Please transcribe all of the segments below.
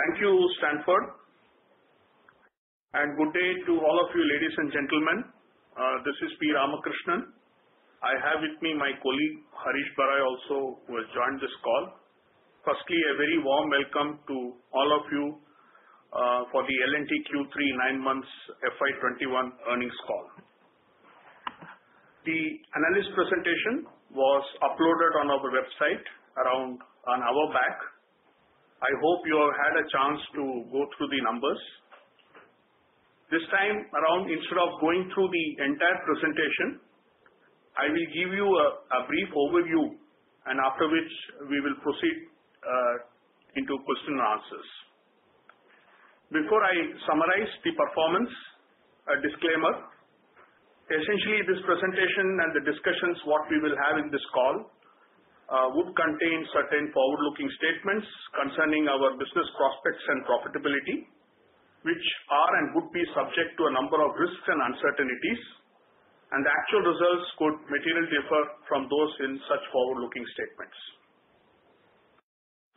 Thank you, Stanford. Good day to all of you, ladies and gentlemen. This is P. Ramakrishnan. I have with me my colleague, Harish Barai, also who has joined this call. Firstly, a very warm welcome to all of you for the L&T Q3 nine months FY 2021 earnings call. The analyst presentation was uploaded on our website around an hour back. I hope you all had a chance to go through the numbers. This time around, instead of going through the entire presentation, I will give you a brief overview, and after which we will proceed into question and answers. Before I summarize the performance, a disclaimer. Essentially, this presentation and the discussions that we will have in this call would contain certain forward-looking statements concerning our business prospects and profitability, which are and would be subject to a number of risks and uncertainties, and actual results could materially differ from those in such forward-looking statements.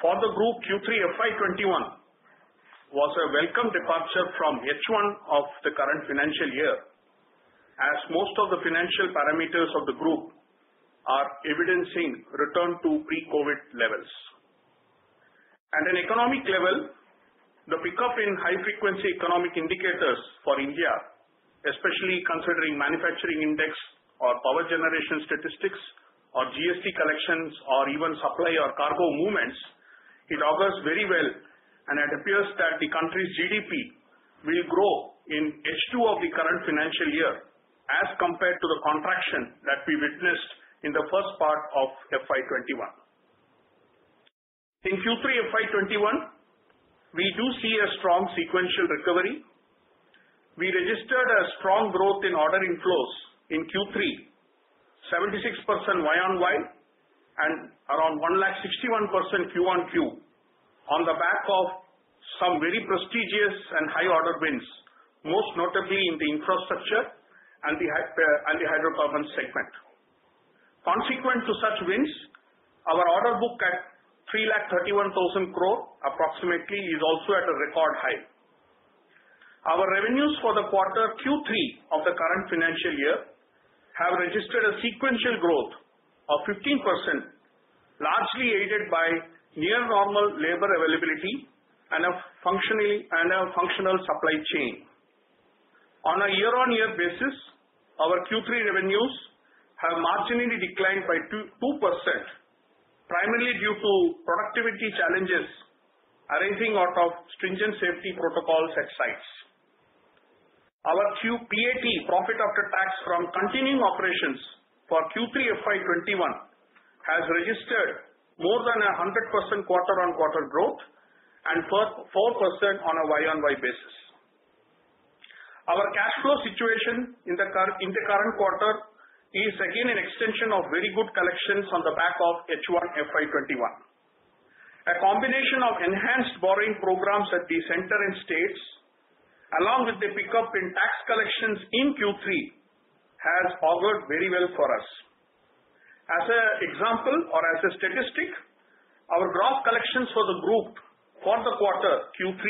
For the Group Q3 FY 2021 was a welcome departure from H1 of the current financial year, as most of the financial parameters of the group are evidencing return to pre-COVID-19 levels. At an economic level, the pickup in high-frequency economic indicators for India, especially considering manufacturing index or power generation statistics or GST collections or even supply or cargo movements, it augurs very well and it appears that the country's GDP will grow in H2 of the current financial year as compared to the contraction that we witnessed in the first part of FY 2021. In Q3 FY 2021, we do see a strong sequential recovery. We registered a strong growth in order inflows in Q3, 76% Y-on-Y, and around 161% Q-on-Q, on the back of some very prestigious and high order wins, most notably in the Infrastructure and the Hydrocarbon segment. Consequent to such wins, our order book at 331,000 crore approximately is also at a record high. Our revenues for the quarter Q3 of the current financial year have registered a sequential growth of 15%, largely aided by near normal labor availability and a functional supply chain. On a year-on-year basis, our Q3 revenues have marginally declined by 2%, primarily due to productivity challenges arising out of stringent safety protocols at sites. Our PAT, profit after tax from continuing operations for Q3 FY 2021 has registered more than 100% quarter-on-quarter growth and 4% on a Y-on-Y basis. Our cash flow situation in the current quarter is again an extension of very good collections on the back of H1 FY 2021. A combination of enhanced borrowing programs at the center and states, along with the pickup in tax collections in Q3, has augured very well for us. As an example or as a statistic, our gross collections for the group for the quarter Q3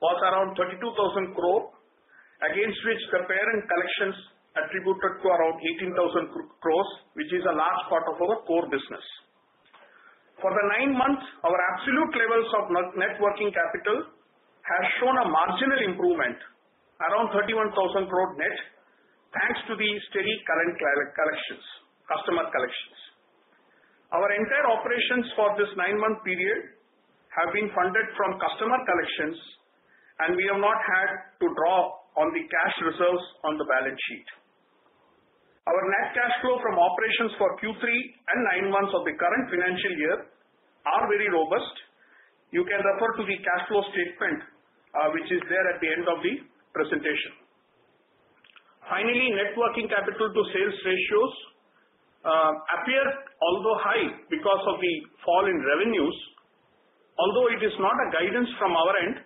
was around 32,000 crore, against which the parent collections attributed to around 18,000 crore, which is a large part of our core business. For the nine months, our absolute levels of net working capital has shown a marginal improvement, around 31,000 crore net, thanks to the steady customer collections. Our entire operations for this nine-month period have been funded from customer collections, and we have not had to draw on the cash reserves on the balance sheet. Our net cash flow from operations for Q3 and nine months of the current financial year are very robust. You can refer to the cash flow statement, which is there at the end of the presentation. Finally, net working capital to sales ratios appear although high because of the fall in revenues. Although it is not a guidance from our end,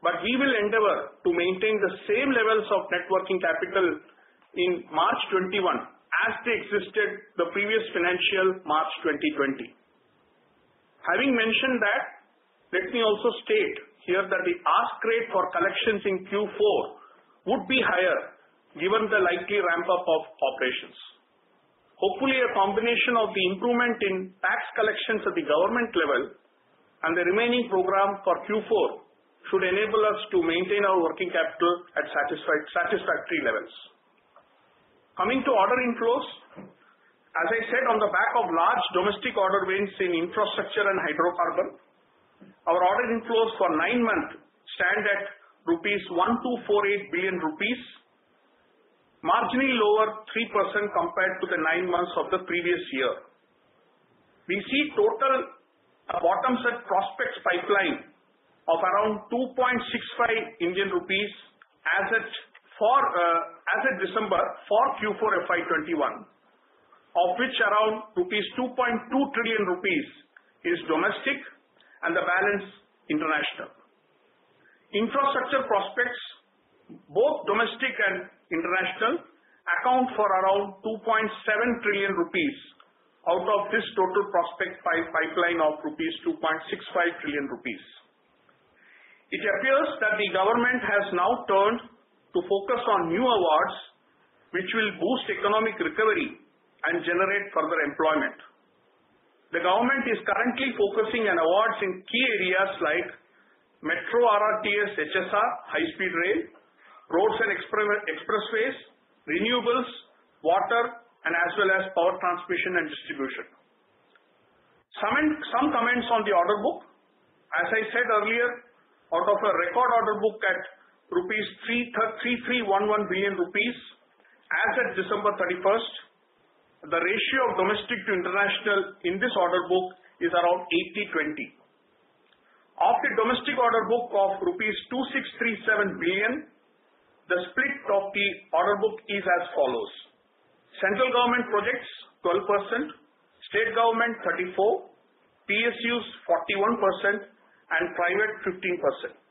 but we will endeavor to maintain the same levels of net working capital in March 2021 as they existed the previous financial March 2020. Having mentioned that, let me also state here that the ask rate for collections in Q4 would be higher given the likely ramp-up of operations. Hopefully, a combination of the improvement in tax collections at the government level and the remaining program for Q4 should enable us to maintain our working capital at satisfactory levels. Coming to order inflows, as I said, on the back of large domestic order wins in Infrastructure and Hydrocarbon, our order inflows for nine months stand at 1,248 billion rupees, marginally lower 3% compared to the nine months of the previous year. We see total bottom-up prospects pipeline of around 2.65 Indian rupees as at December for Q4 FY 2021, of which around 2.2 trillion rupees is domestic and the balance international. Infrastructure prospects, both domestic and international, account for around 2.7 trillion rupees out of this total prospect pipeline of 2.65 trillion rupees. It appears that the government has now turned to focus on new awards, which will boost economic recovery and generate further employment. The government is currently focusing on awards in key areas like Metro, RRTS, HSR, High-Speed Rail, Roads and Expressways, Renewables, Water, and as well as Power Transmission & Distribution. Some comments on the order book. As I said earlier, out of a record order book at 3,311 billion rupees as at December 31st, the ratio of domestic to international in this order book is around 80:20. Of the domestic order book of rupees 2,637 billion, the split of the order book is as follows. Central government projects 12%, state government 34%, PSUs 41%, and private 15%.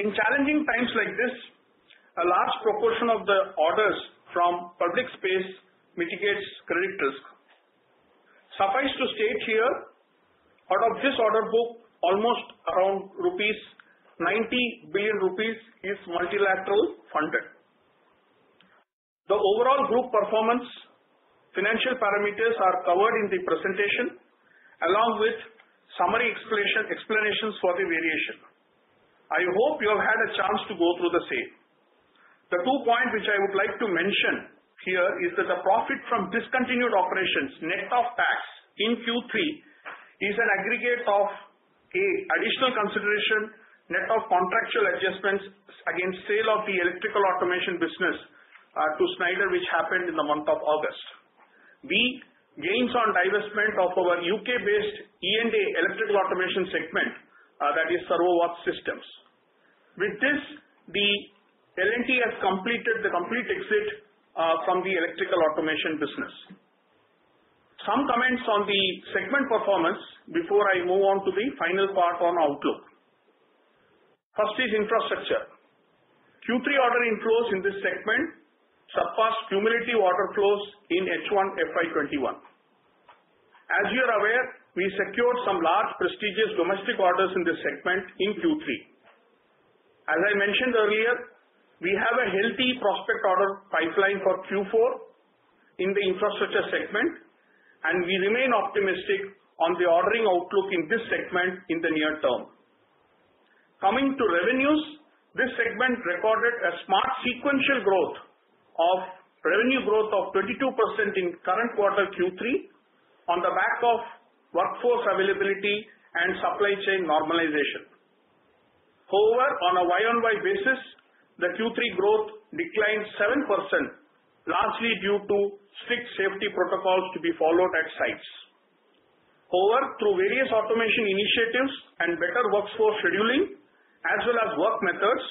In challenging times like this, a large proportion of the orders from public space mitigates credit risk. Suffice to state here, out of this order book, almost around 90 billion rupees is multilateral funded. The overall group performance financial parameters are covered in the presentation, along with summary explanations for the variation. I hope you have had a chance to go through the same. The two points which I would like to mention here is that the profit from discontinued operations net of tax in Q3 is an aggregate of, A, additional consideration net of contractual adjustments against sale of the Electrical & Automation business to Schneider, which happened in the month of August. B, gains on divestment of our U.K.-based E&A, Electrical & Automation segment, that is Servowatch Systems. With this, L&T has completed the complete exit from the Electrical & Automation business. Some comments on the segment performance before I move on to the final part on outlook. First is Infrastructure. Q3 ordering flows in this segment surpassed cumulative order flows in H1 FY 2021. As you are aware, we secured some large prestigious domestic orders in this segment in Q3. As I mentioned earlier, we have a healthy prospect order pipeline for Q4 in the Infrastructure segment, and we remain optimistic on the ordering outlook in this segment in the near term. Coming to revenues, this segment recorded a smart sequential revenue growth of 22% in current quarter Q3 on the back of workforce availability and supply chain normalization. However, on a Y-on-Y basis, the Q3 growth declined 7%, largely due to strict safety protocols to be followed at sites. However, through various automation initiatives and better workforce scheduling as well as work methods,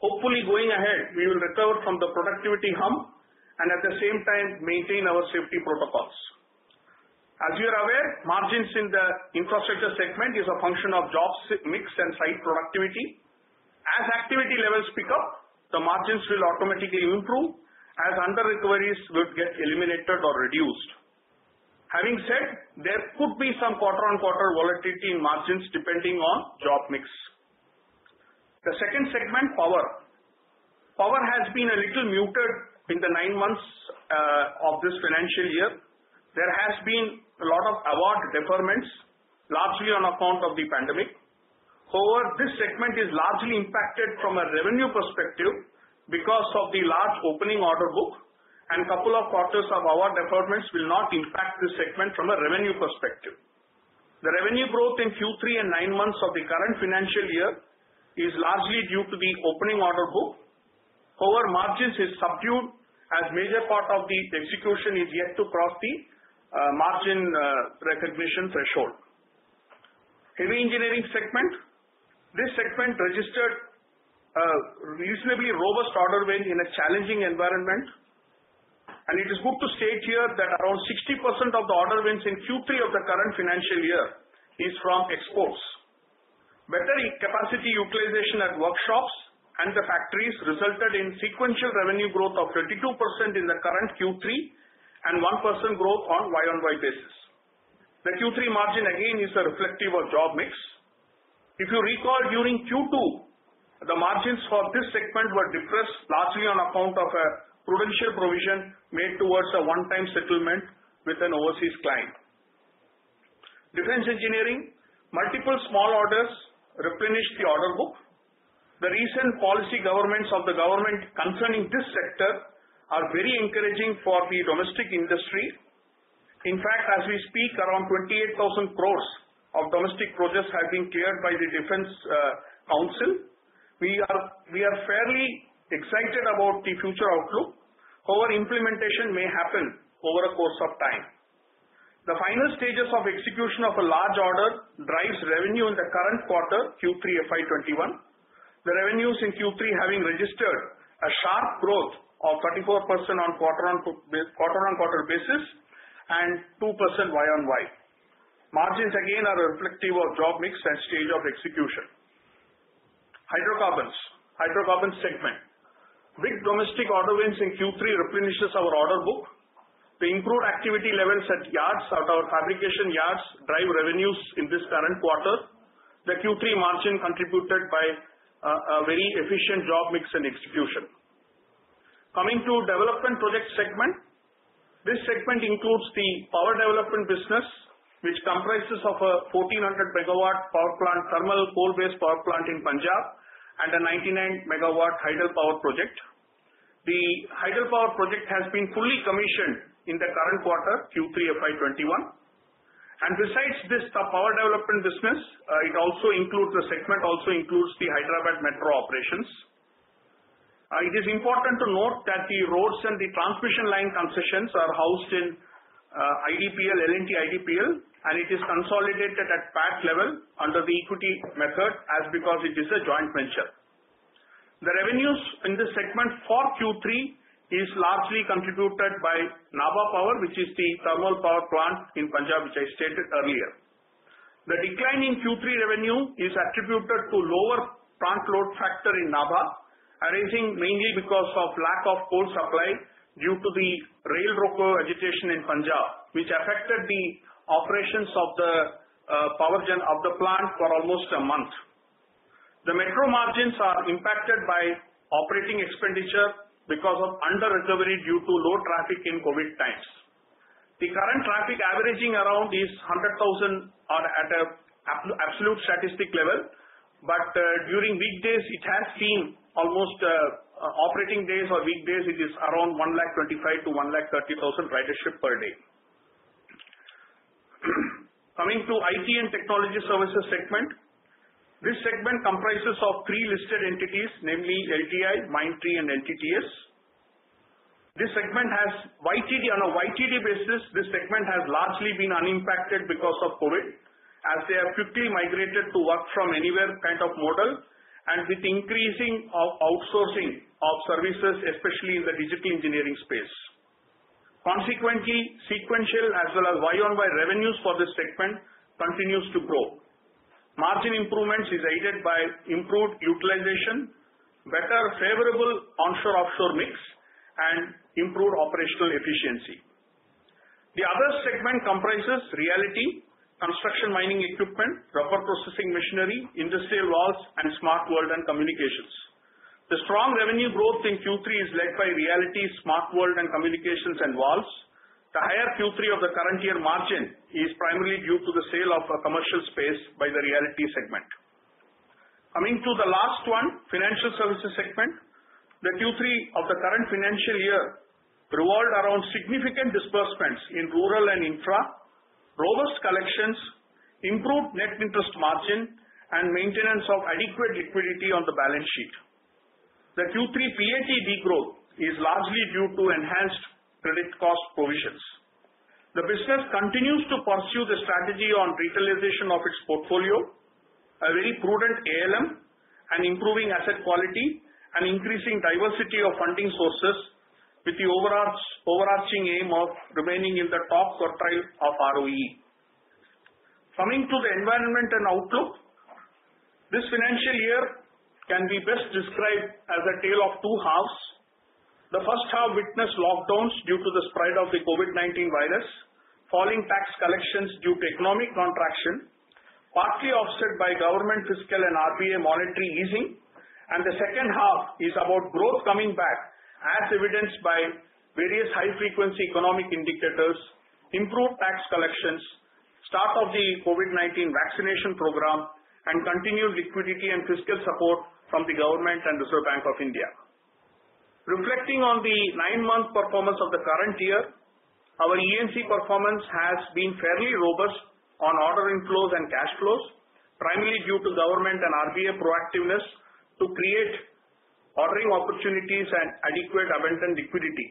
hopefully going ahead, we will recover from the productivity hump and at the same time maintain our safety protocols. As you are aware, margins in the Infrastructure segment is a function of jobs mix and site productivity. As activity levels pick up, the margins will automatically improve as under recoveries would get eliminated or reduced. Having said, there could be some quarter on quarter volatility in margins depending on job mix. The second segment, Power. Power has been a little muted in the nine months of this financial year. There has been a lot of award deferments, largely on account of the pandemic. However, this segment is largely impacted from a revenue perspective because of the large opening order book and couple of quarters of award deferments will not impact this segment from a revenue perspective. The revenue growth in Q3 and nine months of the current financial year is largely due to the opening order book. However, margins is subdued as major part of the execution is yet to cross the margin recognition threshold. Heavy Engineering segment. This segment registered a reasonably robust order win in a challenging environment, and it is good to state here that around 60% of the order wins in Q3 of the current financial year is from exports. Better capacity utilization at workshops and the factories resulted in sequential revenue growth of 32% in the current Q3 and 1% growth on Y-on-Y basis. The Q3 margin again is a reflective of job mix. If you recall, during Q2, the margins for this segment were depressed largely on account of a prudential provision made towards a one-time settlement with an overseas client. Defense Engineering. Multiple small orders replenished the order book. The recent policy [governing] of the government concerning this sector are very encouraging for the domestic industry. In fact, as we speak, around 28,000 crore of domestic projects have been cleared by the Defence Council. We are fairly excited about the future outlook. Implementation may happen over a course of time. The final stages of execution of a large order drives revenue in the current quarter Q3 FY 2021. The revenues in Q3 having registered a sharp growth of 34% on quarter-on-quarter basis and 2% Y-on-Y. Margins again are reflective of job mix and stage of execution. Hydrocarbons segment. Big domestic order wins in Q3 replenishes our order book. The improved activity levels at yards, at our fabrication yards, drive revenues in this current quarter. The Q3 margin contributed by a very efficient job mix and execution. Coming to Development Project segment. This segment includes the Power Development business, which comprises of a 1,400 MW power plant, thermal coal-based power plant in Punjab, and a 99 MW hydropower project. The hydropower project has been fully commissioned in the current quarter, Q3 FY 2021. Besides this, the Power Development business, the segment also includes the Hyderabad Metro operations. It is important to note that the roads and the transmission line concessions are housed in IDPL, L&T IDPL, and it is consolidated at PAT level under the equity method as because it is a joint venture. The revenues in this segment for Q3 is largely contributed by Nabha Power, which is the thermal power plant in Punjab, which I stated earlier. The decline in Q3 revenue is attributed to lower plant load factor in Nabha, arising mainly because of lack of coal supply due to the Rail Roko agitation in Punjab, which affected the operations of the plant for almost a month. The metro margins are impacted by operating expenditure because of under-recovery due to low traffic in COVID times. The current traffic averaging around is 100,000 at absolute statistic level. During weekdays, it has been almost operating days or weekdays, it is around 125,000 to 130,000 ridership per day. Coming to IT and Technology Services segment. This segment comprises of three listed entities, namely, LTI, Mindtree, and LTTS. On a YTD basis, this segment has largely been unimpacted because of COVID, as they have quickly migrated to work from anywhere kind of model, and with increasing of outsourcing of services, especially in the digital engineering space. Consequently, sequential as well as Y-on-Y revenues for this segment continues to grow. Margin improvements is aided by improved utilization, better favorable onshore-offshore mix, and improved operational efficiency. The other segment comprises Realty, Construction & Mining Equipment, Rubber Processing Machinery, Industrial Valves, and Smart World & Communication. The strong revenue growth in Q3 is led by Realty, Smart World & Communication and Valves. The higher Q3 of the current year margin is primarily due to the sale of a commercial space by the Realty segment. Coming to the last one, Financial Services segment. The Q3 of the current financial year revolved around significant disbursements in rural and Infra, robust collections, improved net interest margin, and maintenance of adequate liquidity on the balance sheet. The Q3 PAT de-growth is largely due to enhanced credit cost provisions. The business continues to pursue the strategy on retailization of its portfolio, a very prudent ALM, and improving asset quality, and increasing diversity of funding sources with the overarching aim of remaining in the top quartile of ROE. Coming to the environment and outlook. This financial year can be best described as a tale of two halves. The first half witnessed lockdowns due to the spread of the COVID-19 virus, falling tax collections due to economic contraction, partly offset by government fiscal and RBI monetary easing, and the second half is about growth coming back, as evidenced by various high-frequency economic indicators, improved tax collections, start of the COVID-19 vaccination program, and continued liquidity and fiscal support from the government and Reserve Bank of India. Reflecting on the nine-month performance of the current year, our E&C performance has been fairly robust on order inflows and cash flows, primarily due to government and RBI proactiveness to create ordering opportunities and adequate abundant liquidity.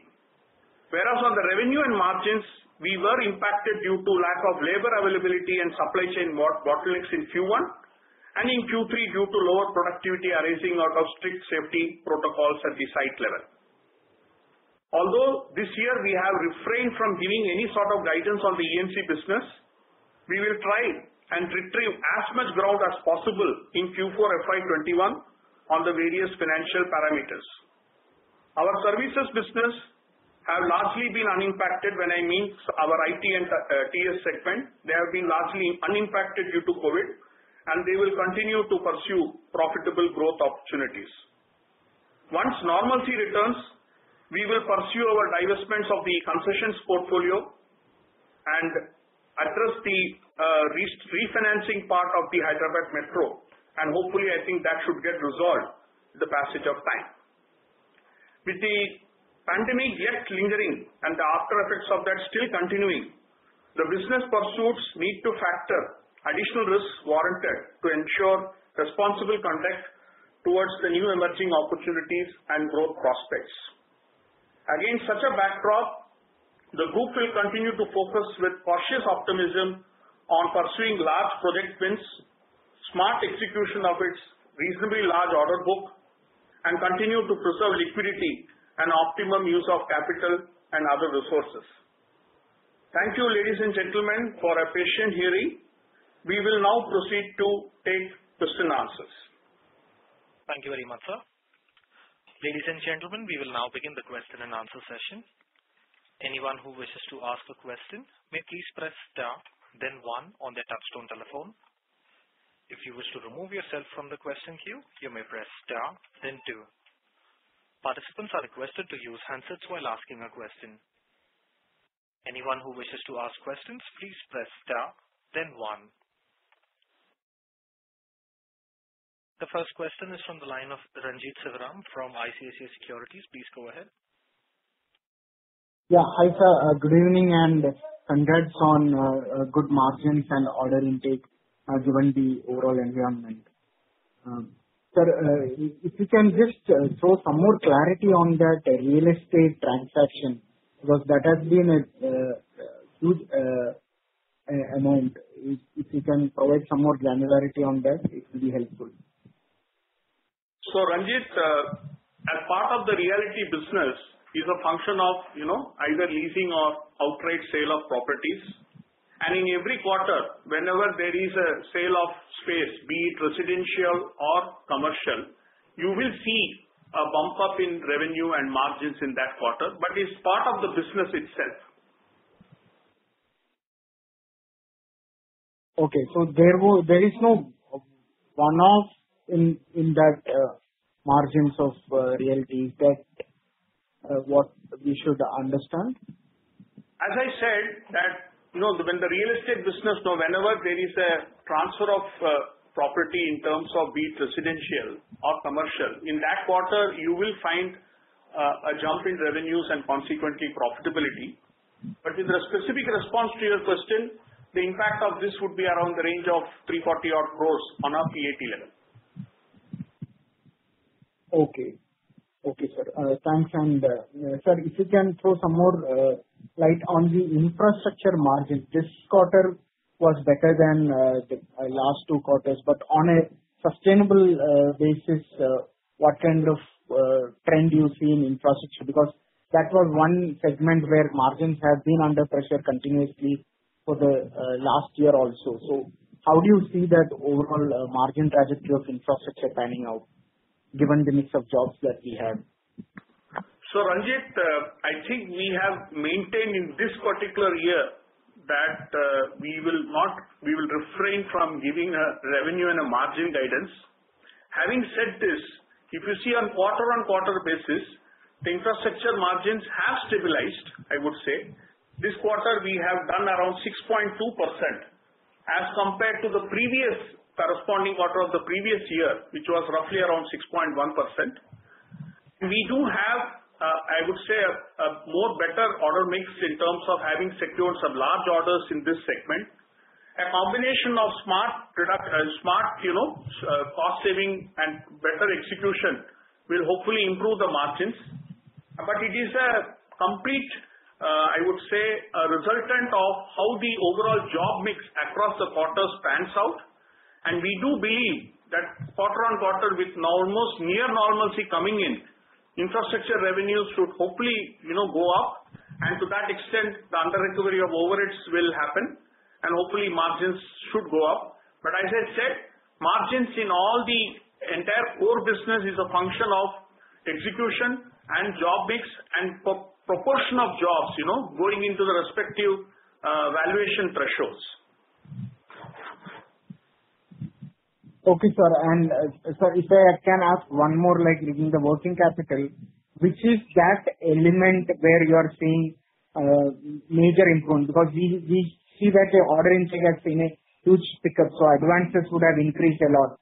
On the revenue and margins, we were impacted due to lack of labor availability and supply chain bottlenecks in Q1, and in Q3, due to lower productivity arising out of strict safety protocols at the site level. Although this year we have refrained from giving any sort of guidance on the E&C business, we will try and retrieve as much ground as possible in Q4 FY 2021 on the various financial parameters. Our services business have largely been unimpacted. When I mean our IT and TS segment, they have been largely unimpacted due to COVID, and they will continue to pursue profitable growth opportunities. Once normalcy returns, we will pursue our divestments of the concessions portfolio and address the refinancing part of the Hyderabad Metro, and hopefully, I think that should get resolved with the passage of time. With the pandemic yet lingering and the aftereffects of that still continuing, the business pursuits need to factor additional risks warranted to ensure responsible conduct towards the new emerging opportunities and growth prospects. Against such a backdrop, the group will continue to focus with cautious optimism on pursuing large project wins, smart execution of its reasonably large order book, and continue to preserve liquidity and optimum use of capital and other resources. Thank you, ladies and gentlemen, for a patient hearing. We will now proceed to take question and answers. Thank you very much, sir. Ladies and gentlemen, we will now begin the question-and-answer session. Anyone who wishes to ask a question may please press star, then one on their touch-tone telephone. If you wish to remove yourself from the question queue, you may press star, then two. Participants are requested to use handsets while asking a question. Anyone who wishes to ask questions, please press star, then one. The first question is from the line of Renjith Sivaram from ICICI Securities. Please go ahead. Yeah. Hi, sir. Good evening and congrats on good margins and order intake, given the overall environment. Sir, if you can just throw some more clarity on that real estate transaction, because that has been a huge amount. If you can provide some more granularity on that, it will be helpful. Renjith, as part of the Realty business is a function of either leasing or outright sale of properties. In every quarter, whenever there is a sale of space, be it residential or commercial, you will see a bump up in revenue and margins in that quarter, but it's part of the business itself. Okay. There is no one-off in that margins of Realty. Is that what we should understand? As I said that, when the real estate business, whenever there is a transfer of property in terms of be it residential or commercial, in that quarter, you will find a jump in revenues and consequently profitability. In the specific response to your question, the impact of this would be around the range of 340 odd crores on our PAT level. Okay. Okay, sir. Thanks. Sir, if you can throw some more light on the Infrastructure margin. This quarter was better than the last two quarters, but on a sustainable basis, what kind of trend do you see in Infrastructure? That was one segment where margins have been under pressure continuously for the last year also. How do you see that overall margin trajectory of Infrastructure panning out given the mix of jobs that we have? Renjith, I think we have maintained in this particular year that we will refrain from giving a revenue and a margin guidance. Having said this, if you see on quarter-on-quarter basis, the Infrastructure margins have stabilized, I would say. This quarter, we have done around 6.2% as compared to the previous corresponding quarter of the previous year, which was roughly around 6.1%. We do have, I would say, a more better order mix in terms of having secured some large orders in this segment. A combination of smart cost saving and better execution will hopefully improve the margins. It is a complete, I would say, a resultant of how the overall job mix across the quarters pans out. We do believe that quarter-on-quarter with near normalcy coming in, Infrastructure revenues should hopefully go up. To that extent, the under-recovery of overages will happen and hopefully margins should go up. As I said, margins in all the entire core business is a function of execution and job mix and proportion of jobs going into the respective valuation thresholds. Okay, sir. Sir, if I can ask one more, like within the working capital, which is that element where you are seeing major improvement? We see that your order intake has been a huge pickup, so advances would have increased a lot.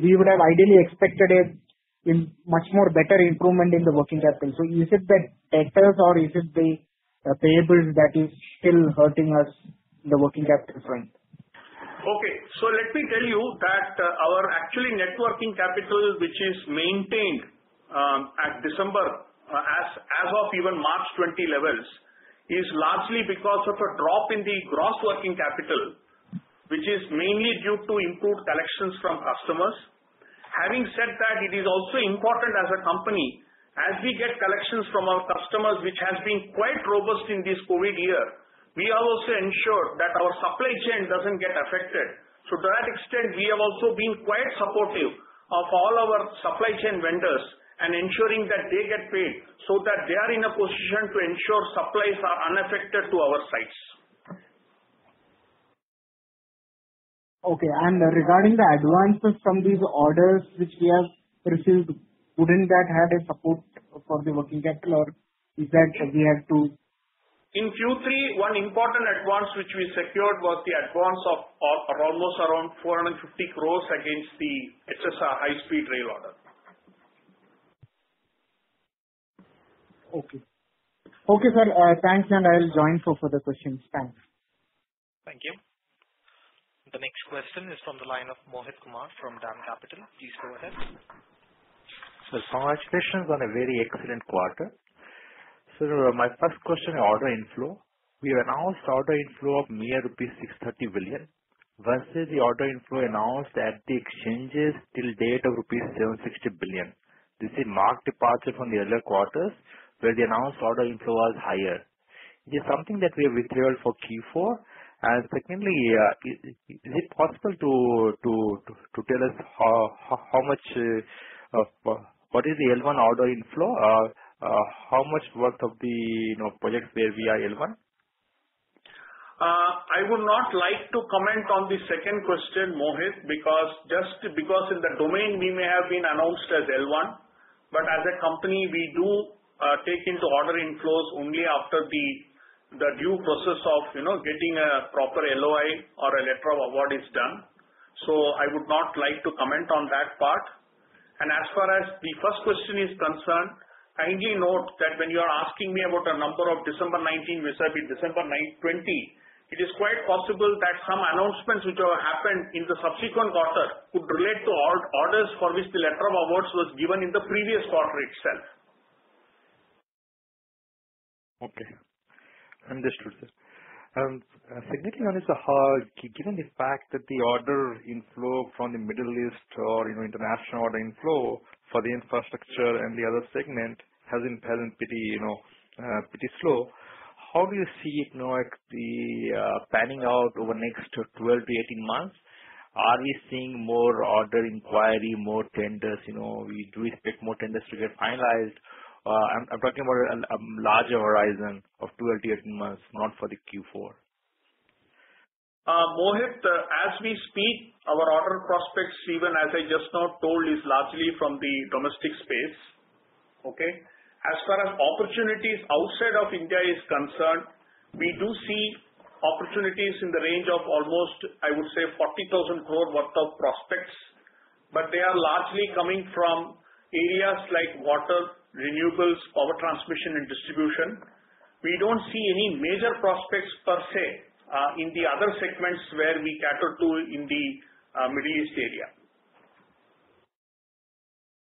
We would have ideally expected a much more better improvement in the working capital. Is it the debtors or is it the payables that is still hurting us in the working capital front? Okay. Let me tell you that our actual net working capital, which is maintained at December as of even March 2020 levels, is largely because of a drop in the gross working capital, which is mainly due to improved collections from customers. Having said that, it is also important as a company, as we get collections from our customers, which has been quite robust in this COVID year, we also ensure that our supply chain doesn't get affected. To that extent, we have also been quite supportive of all our supply chain vendors and ensuring that they get paid so that they are in a position to ensure supplies are unaffected to our sites. Okay. Regarding the advances from these orders which we have received, wouldn't that had a support for the working capital? In Q3, one important advance which we secured was the advance of almost around 450 crores against the HSR, High-Speed Rail order. Okay. Okay, sir. Thanks, and I'll join for further questions. Thanks. Thank you. Next is from the line of Mohit Kumar from DAM Capital. Please go ahead. Sir, congratulations on a very excellent quarter. My first question, order inflow. We announced order inflow of mere rupees 630 billion, versus the order inflow announced at the exchanges till date of rupees 760 billion. This is a marked departure from the earlier quarters, where the announced order inflow was higher. Is it something that we have withheld for Q4? Secondly, is it possible to tell us what is the L1 order inflow? How much worth of the projects there via L1? I would not like to comment on the second question, Mohit, just because in the domain we may have been announced as L1. As a company, we do take into order inflows only after the due process of getting a proper LOA or a letter of award is done. I would not like to comment on that part. As far as the first question is concerned, kindly note that when you are asking me about a number of December 2019, vis-à-vis December 2020, it is quite possible that some announcements which have happened in the subsequent quarter could relate to orders for which the letter of awards was given in the previous quarter itself. Okay. Understood, sir. Secondly, sir, given the fact that the order inflow from the Middle East or international order inflow for the Infrastructure and the other segment has been pretty slow, how do you see it panning out over next 12-18 months? Are we seeing more order inquiry, more tenders? Do we expect more tenders to get finalized? I'm talking about a larger horizon of 12-18 months, not for the Q4. Mohit, as we speak, our order prospects, even as I just now told, is largely from the domestic space. Okay? As far as opportunities outside of India is concerned, we do see opportunities in the range of almost, I would say, 40,000 crore worth of prospects. They are largely coming from areas like Water, Renewables, Power Transmission & Distribution. We don't see any major prospects per se, in the other segments where we cater to in the Middle East area.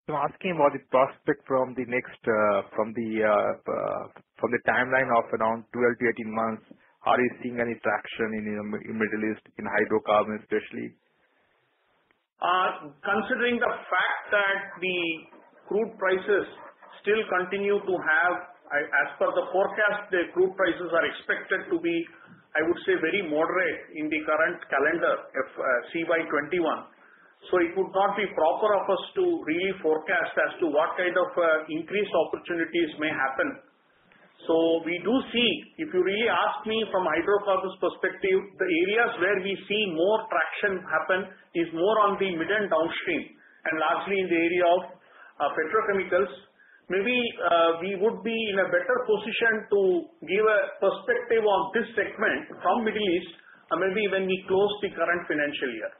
I'm asking about the prospect from the timeline of around 12-18 months. Are you seeing any traction in Middle East, in Hydrocarbon especially? Considering the fact that the crude prices still continue to have, as per the forecast, the crude prices are expected to be, I would say, very moderate in the current calendar, CY 2021. It would not be proper of us to really forecast as to what kind of increased opportunities may happen. We do see, if you really ask me from a Hydrocarbons perspective, the areas where we see more traction happen is more on the mid and downstream, and largely in the area of Petrochemicals. Maybe we would be in a better position to give a perspective on this segment from Middle East, maybe when we close the current financial year.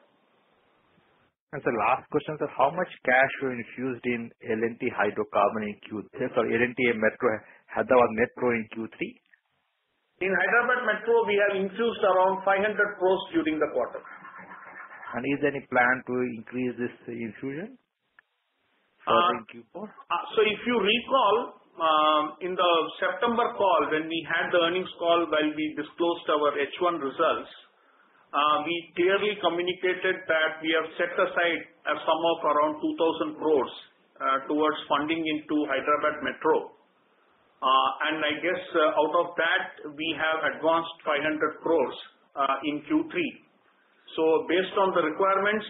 Sir, last question, sir. How much cash you infused in L&T Hyderabad Metro, Hyderabad Metro in Q3? In Hyderabad Metro, we have infused around 500 crore during the quarter. Is there any plan to increase this infusion further in Q4? If you recall, in the September call, when we had the earnings call where we disclosed our H1 results, we clearly communicated that we have set aside a sum of around 2,000 crore towards funding into Hyderabad Metro. I guess out of that, we have advanced 500 crore in Q3. Based on the requirements,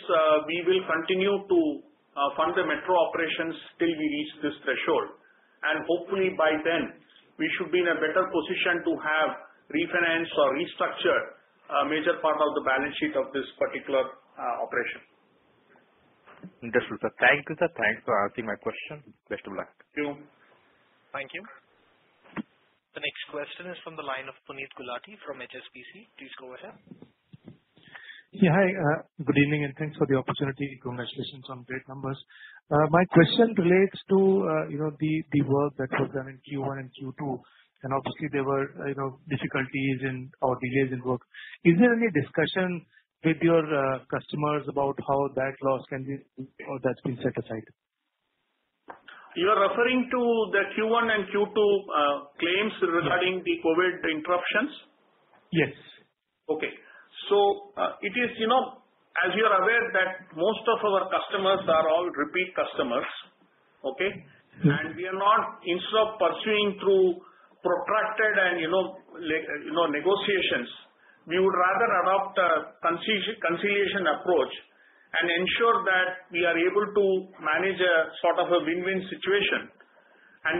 we will continue to fund the Metro operations till we reach this threshold. Hopefully by then, we should be in a better position to have refinanced or restructured a major part of the balance sheet of this particular operation. Understood, sir. Thank you, sir. Thanks for answering my question. Best of luck. Thank you. Thank you. The next question is from the line of Puneet Gulati from HSBC. Please go ahead. Yeah, hi. Good evening, and thanks for the opportunity. Congratulations on great numbers. My question relates to the work that was done in Q1 and Q2. Obviously, there were difficulties in or delays in work. Is there any discussion with your customers about how that loss can be or that's been set aside? You are referring to the Q1 and Q2 claims regarding the COVID interruptions? Yes. Okay. As you are aware that most of our customers are all repeat customers, okay? We are not, instead of pursuing through protracted and negotiations, we would rather adopt a conciliation approach and ensure that we are able to manage a sort of a win-win situation.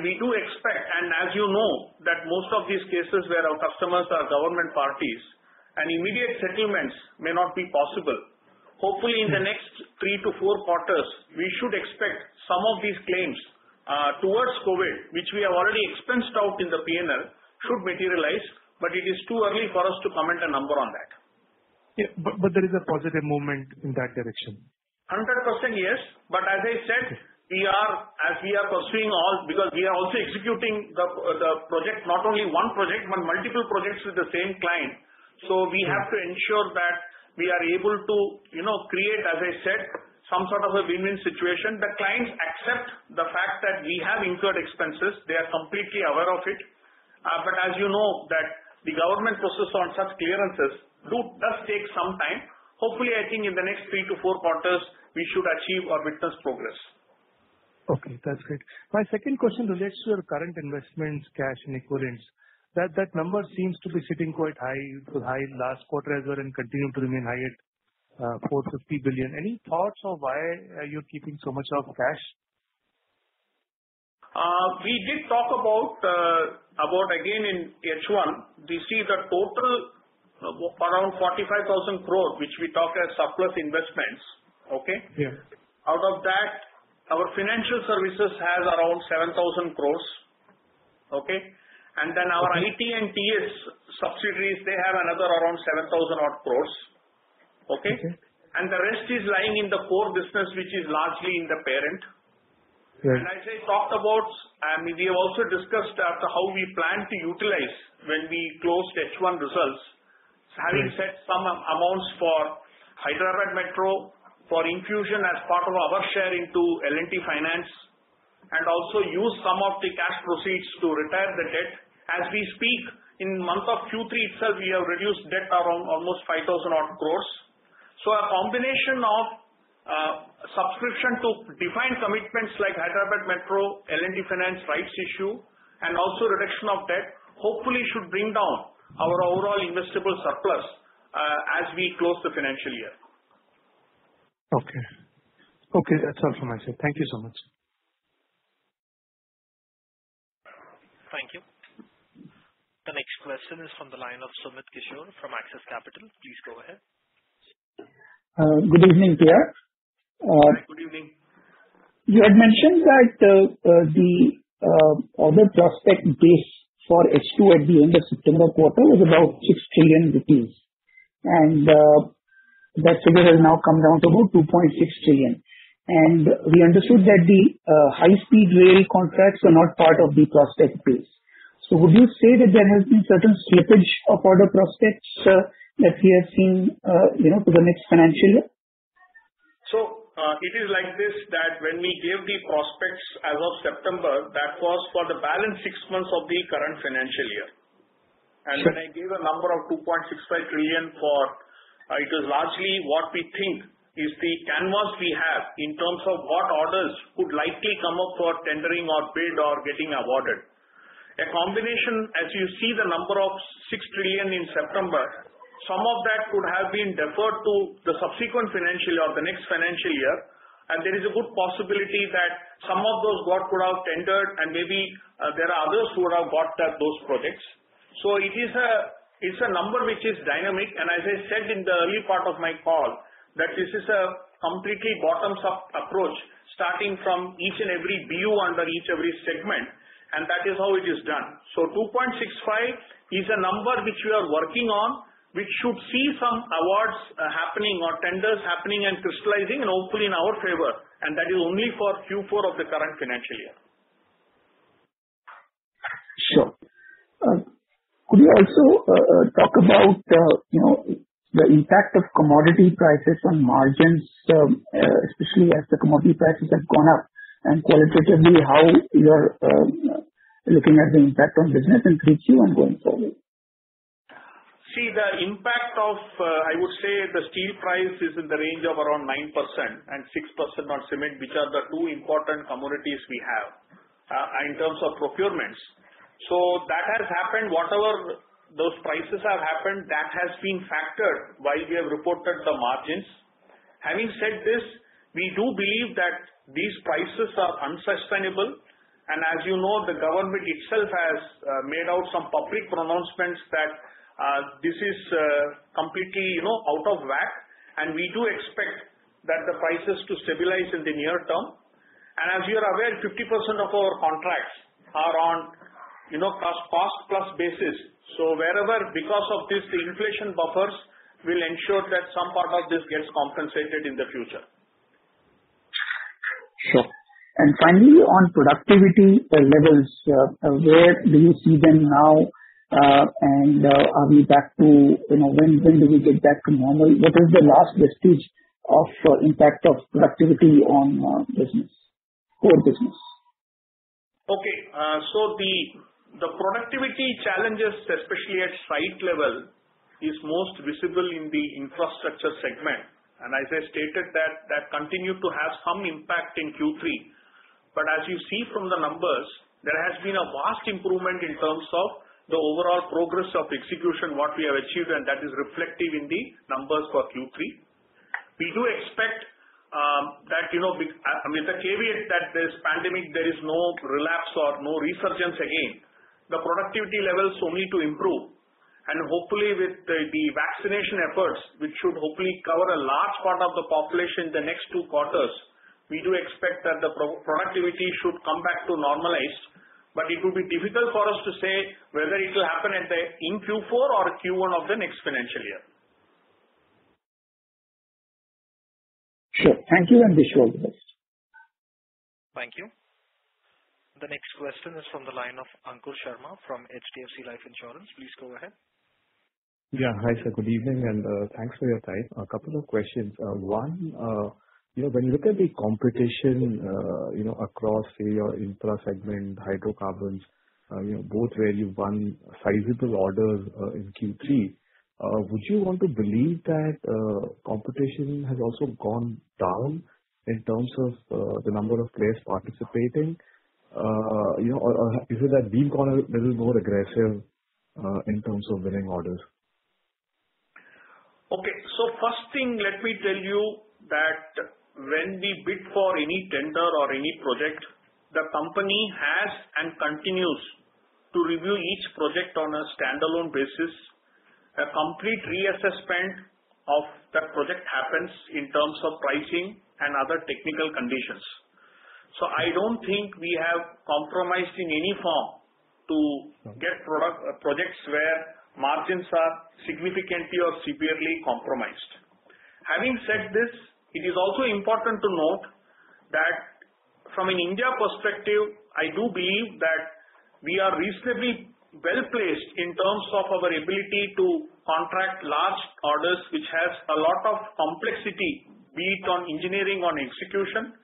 We do expect, and as you know, that most of these cases where our customers are government parties, and immediate settlements may not be possible. Hopefully, in the next three to four quarters, we should expect some of these claims towards COVID, which we have already expensed out in the P&L, should materialize. It is too early for us to comment a number on that. Yeah. There is a positive movement in that direction? 100%, yes. As I said, because we are also executing the project, not only one project, but multiple projects with the same client. We have to ensure that we are able to create, as I said, some sort of a win-win situation. The clients accept the fact that we have incurred expenses. They are completely aware of it. As you know, that the government process on such clearances does take some time. Hopefully, I think in the next three to four quarters, we should achieve our business progress. That's great. My second question relates to your current investments, cash, and equivalents. That number seems to be sitting quite high, it was high last quarter as well, and continue to remain high at 450 billion. Any thoughts on why you're keeping so much of cash? We did talk about, again, in H1, you see the total around 45,000 crore, which we talk as surplus investments. Okay? Yes. Out of that, our Financial Services has around 7,000 crores. Okay? Our IT and TS subsidiaries, they have another around 7,000 odd crores. Okay? Okay. The rest is lying in the core business, which is largely in the parent. Right. As I talked about, and we have also discussed how we plan to utilize when we closed H1 results. Right. Having set some amounts for Hyderabad Metro, for infusion as part of our share into L&T Finance, and also use some of the cash proceeds to retire the debt. As we speak, in month of Q3 itself, we have reduced debt around almost 5,000 odd crore. A combination of subscription to defined commitments like Hyderabad Metro, L&T Finance rights issue, and also reduction of debt, hopefully should bring down our overall investable surplus as we close the financial year. Okay. That's all from my side. Thank you so much. Thank you. The next question is from the line of Sumit Kishore from Axis Capital. Please go ahead. Good evening, P.R. Good evening. You had mentioned that the order prospect base for H2 at the end of September quarter was about INR 6 trillion, and that figure has now come down to about 2.6 trillion. We understood that the High-Speed Rail contracts were not part of the prospect base. Would you say that there has been certain slippage of order prospects that we have seen to the next financial year? It is like this that when we gave the prospects as of September, that was for the balance six months of the current financial year. When I gave a number of 2.65 trillion, it is largely what we think is the canvas we have in terms of what orders could likely come up for tendering or bid or getting awarded. A combination, as you see the number of 6 trillion in September, some of that could have been deferred to the subsequent financial year or the next financial year, and there is a good possibility that some of those work could have tendered and maybe there are others who would have got those projects. It's a number which is dynamic, and as I said in the early part of my call, that this is a completely bottom-up approach, starting from each and every BU under each every segment, and that is how it is done. 2.65 trillion is a number which we are working on, which should see some awards happening or tenders happening and crystallizing and hopefully in our favor, and that is only for Q4 of the current financial year. Sure. Could you also talk about the impact of commodity prices on margins, especially as the commodity prices have gone up and qualitatively how you're looking at the impact on business and 3Q ongoing forward? The impact of, I would say, the steel price is in the range of 9% and 6% on cement, which are the two important commodities we have in terms of procurements. That has happened. Whatever those prices have happened, that has been factored while we have reported the margins. Having said this, we do believe that these prices are unsustainable, and as you know, the government itself has made out some public pronouncements that this is completely out of whack. We do expect that the prices to stabilize in the near term. As you are aware, 50% of our contracts are on cost-plus basis. Wherever because of these inflation buffers, we'll ensure that some part of this gets compensated in the future. Sure. Finally, on productivity levels, where do you see them now? When do we get back to normal? What is the last vestige of impact of productivity on core business? The productivity challenges, especially at site level, is most visible in the Infrastructure segment. As I stated, that continued to have some impact in Q3. As you see from the numbers, there has been a vast improvement in terms of the overall progress of execution, what we have achieved, and that is reflective in the numbers for Q3. We do expect that, with the caveat that this pandemic, there is no relapse or no resurgence again, the productivity levels so need to improve. Hopefully with the vaccination efforts, which should hopefully cover a large part of the population in the next two quarters, we do expect that the productivity should come back to normalize. It will be difficult for us to say whether it will happen in Q4 or Q1 of the next financial year. Sure. Thank you and wish you all the best. Thank you. The next question is from the line of Ankur Sharma from HDFC Life Insurance. Please go ahead. Yeah. Hi, sir. Good evening, and thanks for your time. A couple of questions. One, when you look at the competition across your Infra segment, Hydrocarbons, both value one sizable order in Q3, would you want to believe that competition has also gone down in terms of the number of players participating? Or is it that we have gone is a little more aggressive in terms of winning orders? Okay. First thing, let me tell you that when we bid for any tender or any project, the company has and continues to review each project on a standalone basis. A complete reassessment of that project happens in terms of pricing and other technical conditions. I don't think we have compromised in any form to get projects where margins are significantly or severely compromised. Having said this, it is also important to note that from an India perspective, I do believe that we are reasonably well-placed in terms of our ability to contract large orders, which has a lot of complexity, be it on engineering or execution.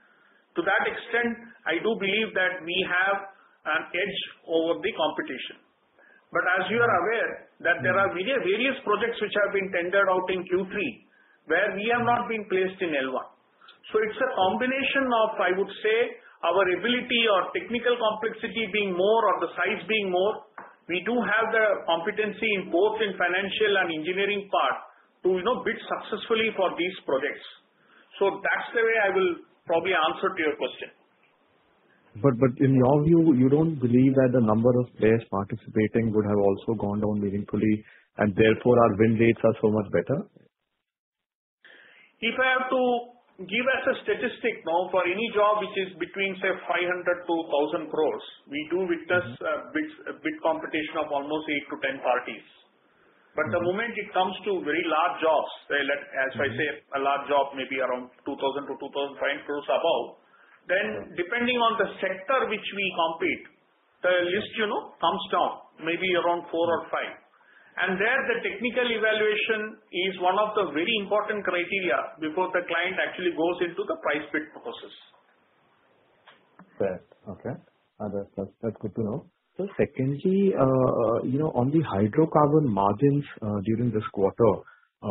To that extent, I do believe that we have an edge over the competition. As you are aware, that there are various projects which have been tendered out in Q3, where we have not been placed in L1. It's a combination of, I would say, our ability or technical complexity being more or the size being more. We do have the competency both in Financial and Engineering part to bid successfully for these projects. That's the way I will probably answer to your question. In your view, you don't believe that the number of players participating would have also gone down meaningfully and therefore our win rates are so much better? If I have to give as a statistic now, for any job which is between, say, 500 crore-1,000 crore, we do witness bid competition of almost eight to 10 parties. The moment it comes to very large jobs, as I say, a large job may be around 2,000 crore-2,500 crore above, then depending on the sector which we compete, the list comes down maybe around four or five. There, the technical evaluation is one of the very important criteria before the client actually goes into the price bid process. Fair. Okay. That's good to know. Sir, secondly, on the Hydrocarbon margins during this quarter,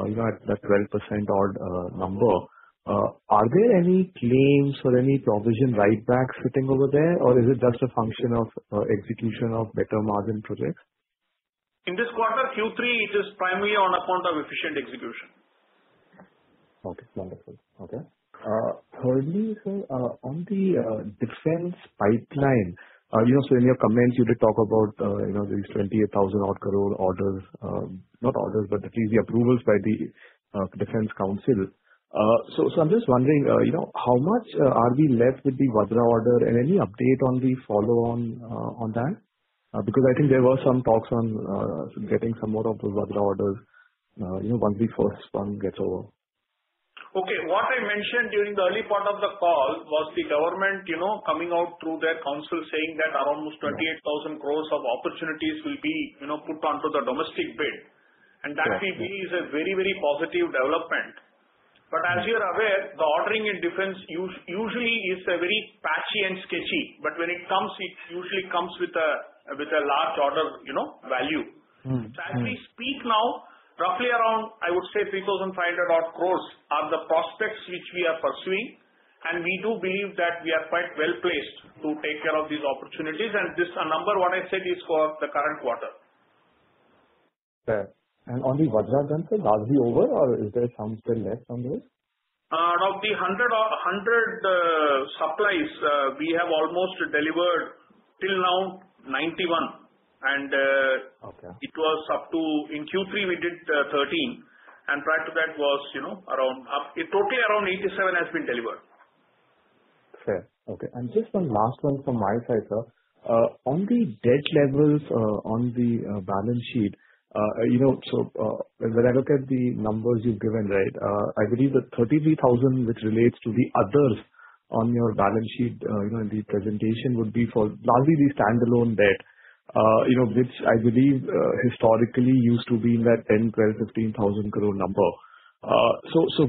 at that 12% odd number, are there any claims or any provision write-backs sitting over there, or is it just a function of execution of better margin projects? In this quarter, Q3, it is primarily on account of efficient execution. Okay. Wonderful. Okay. Thirdly, sir, on the Defence pipeline, in your comments, you did talk about these INR 28,000 odd crore orders. Not orders, but the approvals by the Defence Council. I am just wondering, how much are we left with the Vajra order and any update on the follow-on on that? I think there were some talks on getting some more of those Vajra orders, once the first one gets over. Okay. What I mentioned during the early part of the call was the government coming out through their Council saying that around 28,000 crores of opportunities will be put onto the domestic bid. That we believe is a very positive development. As you're aware, the ordering in Defense usually is very patchy and sketchy, but when it comes, it usually comes with a large order value. As we speak now, roughly around, I would say 3,500 odd crore are the prospects which we are pursuing, and we do believe that we are quite well-placed to take care of these opportunities, and this number, what I said, is for the current quarter. Fair. On the Vajra Gun, sir, are we over or is there some still left somewhere? Of the 100 supplies, we have almost delivered till now 91. Okay. In Q3, we did 13, and prior to that, totally around 87 has been delivered. Fair. Okay. Just one last one from my side, sir. On the debt levels on the balance sheet, when I look at the numbers you've given, I believe the 33,000 which relates to the others on your balance sheet in the presentation would be for largely the standalone debt, which I believe historically used to be in that 10,000 crore, 12,000 crore, 15,000 crore number.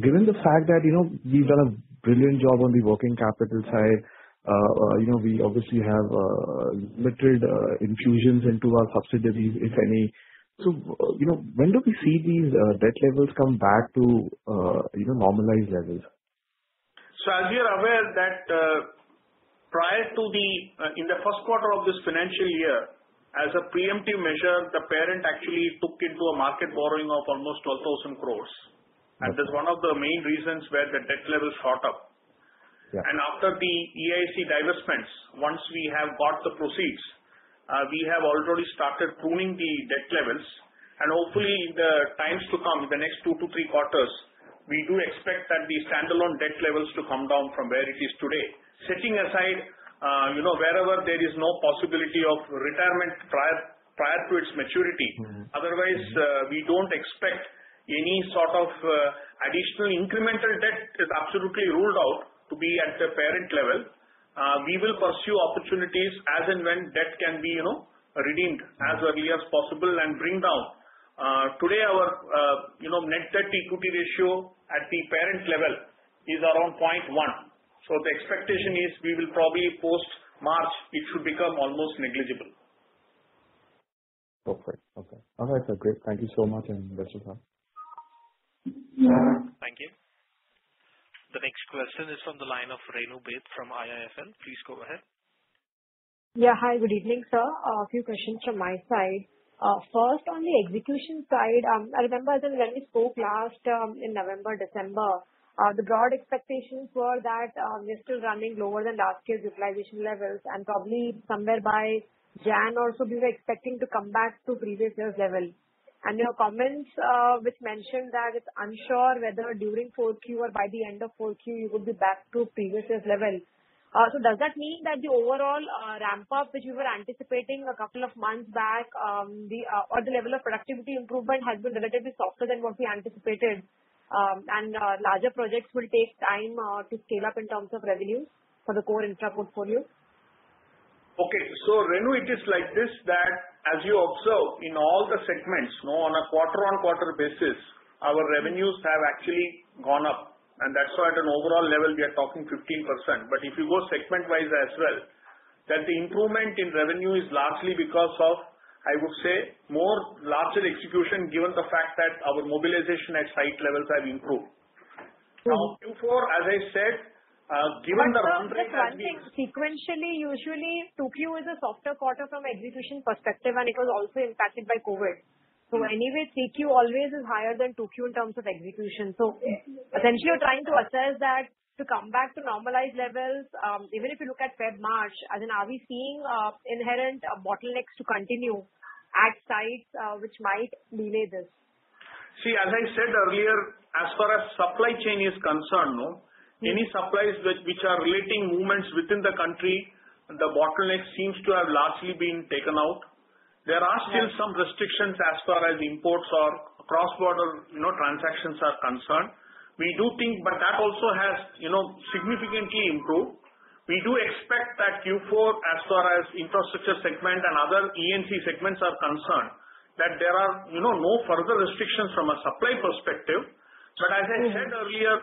Given the fact that we've done a brilliant job on the working capital side, we obviously have limited infusions into our subsidiaries, if any. When do we see these debt levels come back to normalized levels? As you're aware, in the first quarter of this financial year, as a preemptive measure, the parent actually took into a market borrowing of almost 12,000 crores. Okay. That's one of the main reasons where the debt levels shot up. Yeah. After the E&A IC divestments, once we have got the proceeds, we have already started pruning the debt levels, and hopefully in the times to come, the next two to three quarters. We do expect that the standalone debt levels to come down from where it is today. Setting aside wherever there is no possibility of retirement prior to its maturity. Otherwise, we don't expect any sort of additional incremental debt, is absolutely ruled out to be at the parent level. We will pursue opportunities as and when debt can be redeemed as early as possible and bring down. Today, our net debt equity ratio at the parent level is around 0.1. The expectation is we will probably post March it should become almost negligible. Perfect. Okay. All right, sir. Great. Thank you so much, and best of luck. Thank you. The next question is from the line of Renu Baid from IIFL. Please go ahead. Hi, good evening, sir. A few questions from my side. First, on the execution side, I remember when we spoke last in November, December, the broad expectations were that we're still running lower than last year's utilization levels. Probably somewhere by January also we were expecting to come back to previous years' level. Your comments which mentioned that it's unsure whether during 4Q or by the end of 4Q you would be back to previous years' level. Does that mean that the overall ramp-up, which we were anticipating a couple of months back, or the level of productivity improvement has been relatively softer than what we anticipated, and larger projects will take time to scale up in terms of revenues for the core Infra portfolio? Renu, it is like this, that as you observe in all the segments, on a quarter-on-quarter basis, our revenues have actually gone up, and that's why at an overall level we are talking 15%. If you go segment-wise as well, that the improvement in revenue is largely because of, I would say, more larger execution given the fact that our mobilization at site levels have improved. Sequentially, usually 2Q is a softer quarter from execution perspective, and it was also impacted by COVID. Anyway, 3Q always is higher than 2Q in terms of execution. Essentially you're trying to assess that to come back to normalized levels, even if you look at February, March, are we seeing inherent bottlenecks to continue at sites which might delay this? See, as I said earlier, as far as supply chain is concerned, any supplies which are relating movements within the country, the bottleneck seems to have largely been taken out. There are still some restrictions as far as imports or cross-border transactions are concerned. That also has significantly improved. We do expect that Q4, as far as Infrastructure segment and other E&C segments are concerned, that there are no further restrictions from a supply perspective. As I said earlier,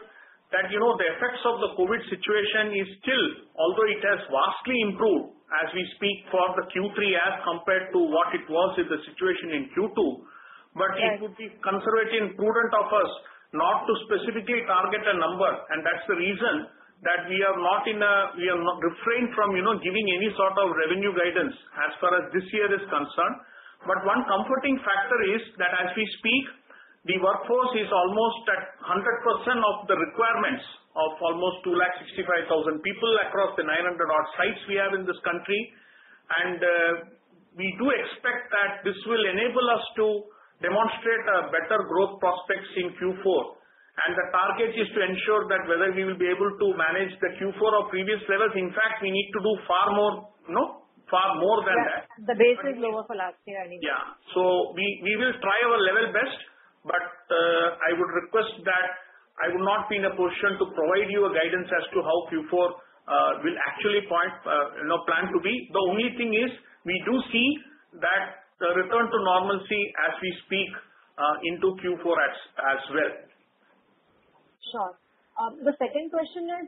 that the effects of the COVID situation is still, although it has vastly improved as we speak for the Q3 as compared to what it was in the situation in Q2. Yes. It would be conservative and prudent of us not to specifically target a number. That's the reason that we have refrained from giving any sort of revenue guidance as far as this year is concerned. One comforting factor is that as we speak, the workforce is almost at 100% of the requirements of almost 265,000 people across the 900 odd sites we have in this country. We do expect that this will enable us to demonstrate a better growth prospects in Q4. The target is to ensure that whether we will be able to manage the Q4 of previous levels. In fact, we need to do far more than that. Yes. The base is lower for last year anyway. We will try our level best. I would request that I will not be in a position to provide you a guidance as to how Q4 will actually plan to be. The only thing is, we do see that the return to normalcy as we speak into Q4 as well. Sure. The second question is,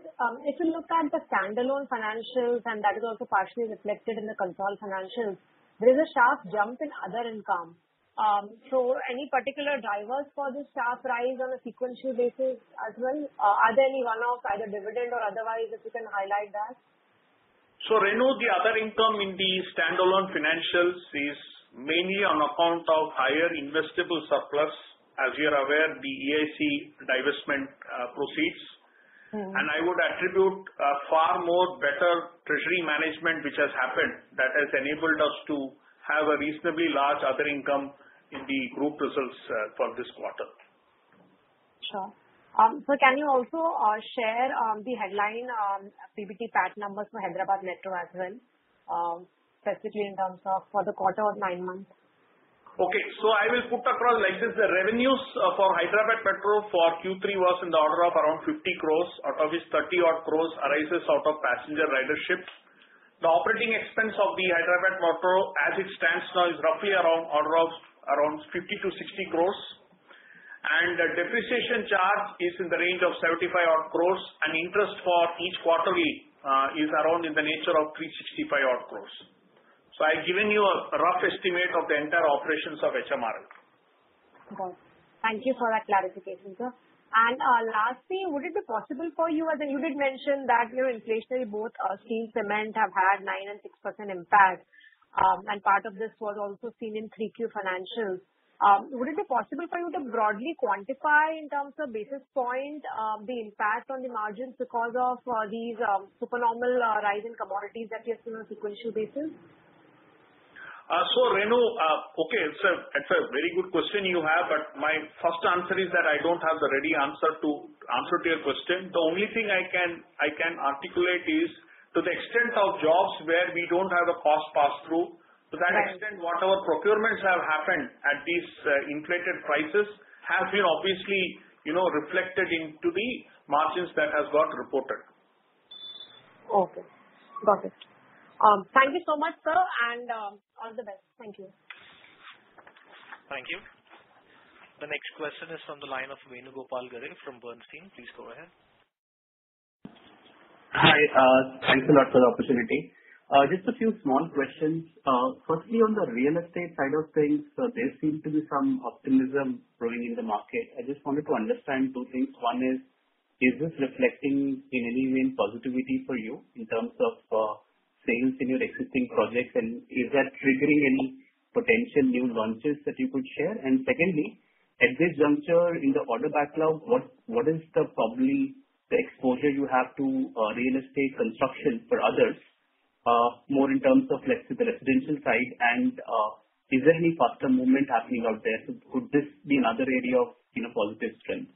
if you look at the standalone financials and that is also partially reflected in the consolidated financials, there is a sharp jump in other income. Any particular drivers for this sharp rise on a sequential basis as well? Are there any one-off, either dividend or otherwise, if you can highlight that? Renu, the other income in the standalone financials is mainly on account of higher investable surplus, as you're aware, the E&A IC divestment proceeds. I would attribute a far more better treasury management which has happened that has enabled us to have a reasonably large other income in the group results for this quarter. Sure. Sir, can you also share the headline PBT, PAT numbers for Hyderabad Metro as well, especially in terms of for the quarter or nine months? Okay. I will put across like this. The revenues for Hyderabad Metro for Q3 was in the order of around 50 crores, out of which 30 odd crores arises out of passenger ridership. The operating expense of the Hyderabad Metro as it stands now is roughly around order of around 50 crores-60 crores. The depreciation charge is in the range of 75 odd crores, and interest for each quarterly is around in the nature of 365 odd crores. I've given you a rough estimate of the entire operations of HMRL. Got it. Thank you for that clarification, sir. Lastly, as you did mention that inflationary both steel, cement have had 9% and 6% impact, and part of this was also seen in 3Q financials, would it be possible for you to broadly quantify in terms of basis point, the impact on the margins because of these super normal rise in commodities that you have seen on a sequential basis? Renu, okay. It's a very good question you have, but my first answer is that I don't have the ready answer to your question. The only thing I can articulate is to the extent of jobs where we don't have a cost pass through- Right. To that extent, whatever procurements have happened at these inflated prices has been obviously reflected into the margins that has got reported. Okay, got it. Thank you so much, sir, and all the best. Thank you. Thank you. The next question is from the line of Venugopal Garre from Bernstein. Please go ahead. Hi. Thanks a lot for the opportunity. Just a few small questions. Firstly, on the real estate side of things, there seems to be some optimism growing in the market. I just wanted to understand two things. One is this reflecting in any way in positivity for you in terms of sales in your existing projects, and is that triggering any potential new launches that you could share? Secondly, at this juncture in the order backlog, what is probably the exposure you have to real estate construction for others, more in terms of the residential side, and is there any faster movement happening out there? Could this be another area of positive strength?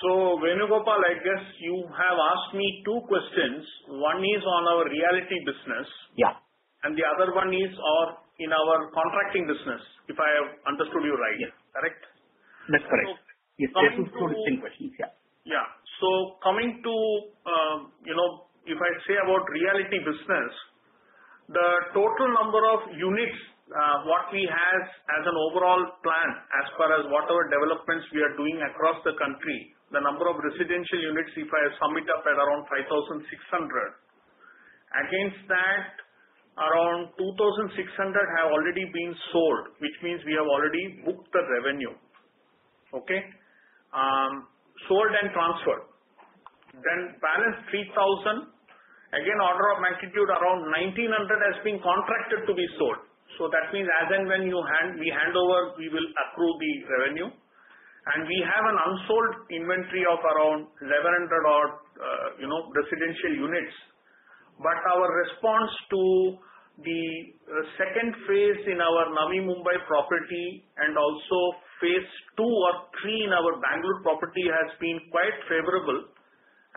Venugopal, I guess you have asked me two questions. One is on our Realty business. Yeah. The other one is on our contracting business, if I have understood you right. Yeah. Correct? That's correct. Yes, there are two distinct questions. Yeah. Coming to if I say about Realty business, the total number of units, what we have as an overall plan as far as whatever developments we are doing across the country, the number of residential units, if I sum it up, at around 5,600. Against that, around 2,600 have already been sold, which means we have already booked the revenue. Sold and transferred. Balance 3,000, again, order of magnitude around 1,900 has been contracted to be sold. That means as and when we hand over, we will accrue the revenue. We have an unsold inventory of around 1,100 odd residential units. Our response to the second phase in our Navi Mumbai property and also phase two or three in our Bangalore property has been quite favorable.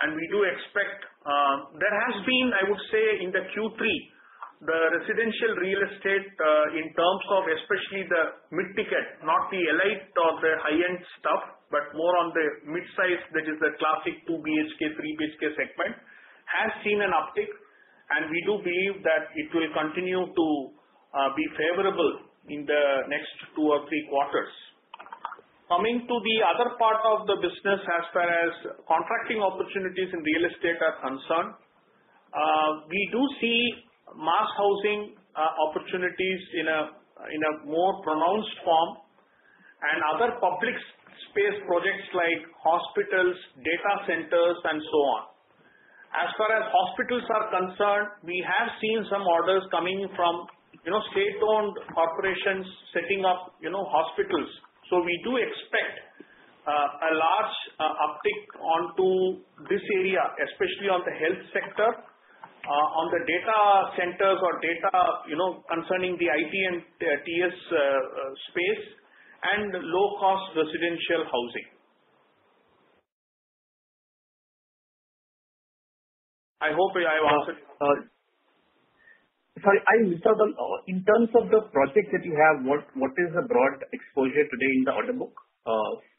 There has been, I would say, in the Q3, the residential real estate, in terms of especially the mid-ticket, not the elite or the high-end stuff, but more on the mid-size, that is the classic 2 BHK, 3 BHK segment, has seen an uptick, and we do believe that it will continue to be favorable in the next two or three quarters. Coming to the other part of the business as far as contracting opportunities in real estate are concerned, we do see mass housing opportunities in a more pronounced form and other public space projects like hospitals, data centers, and so on. As far as hospitals are concerned, we have seen some orders coming from state-owned corporations setting up hospitals. We do expect a large uptick onto this area, especially on the health sector, on the data centers or data concerning the IT and TS space, and low-cost residential housing. I hope I have answered. Sorry, in terms of the projects that you have, what is the broad exposure today in the order book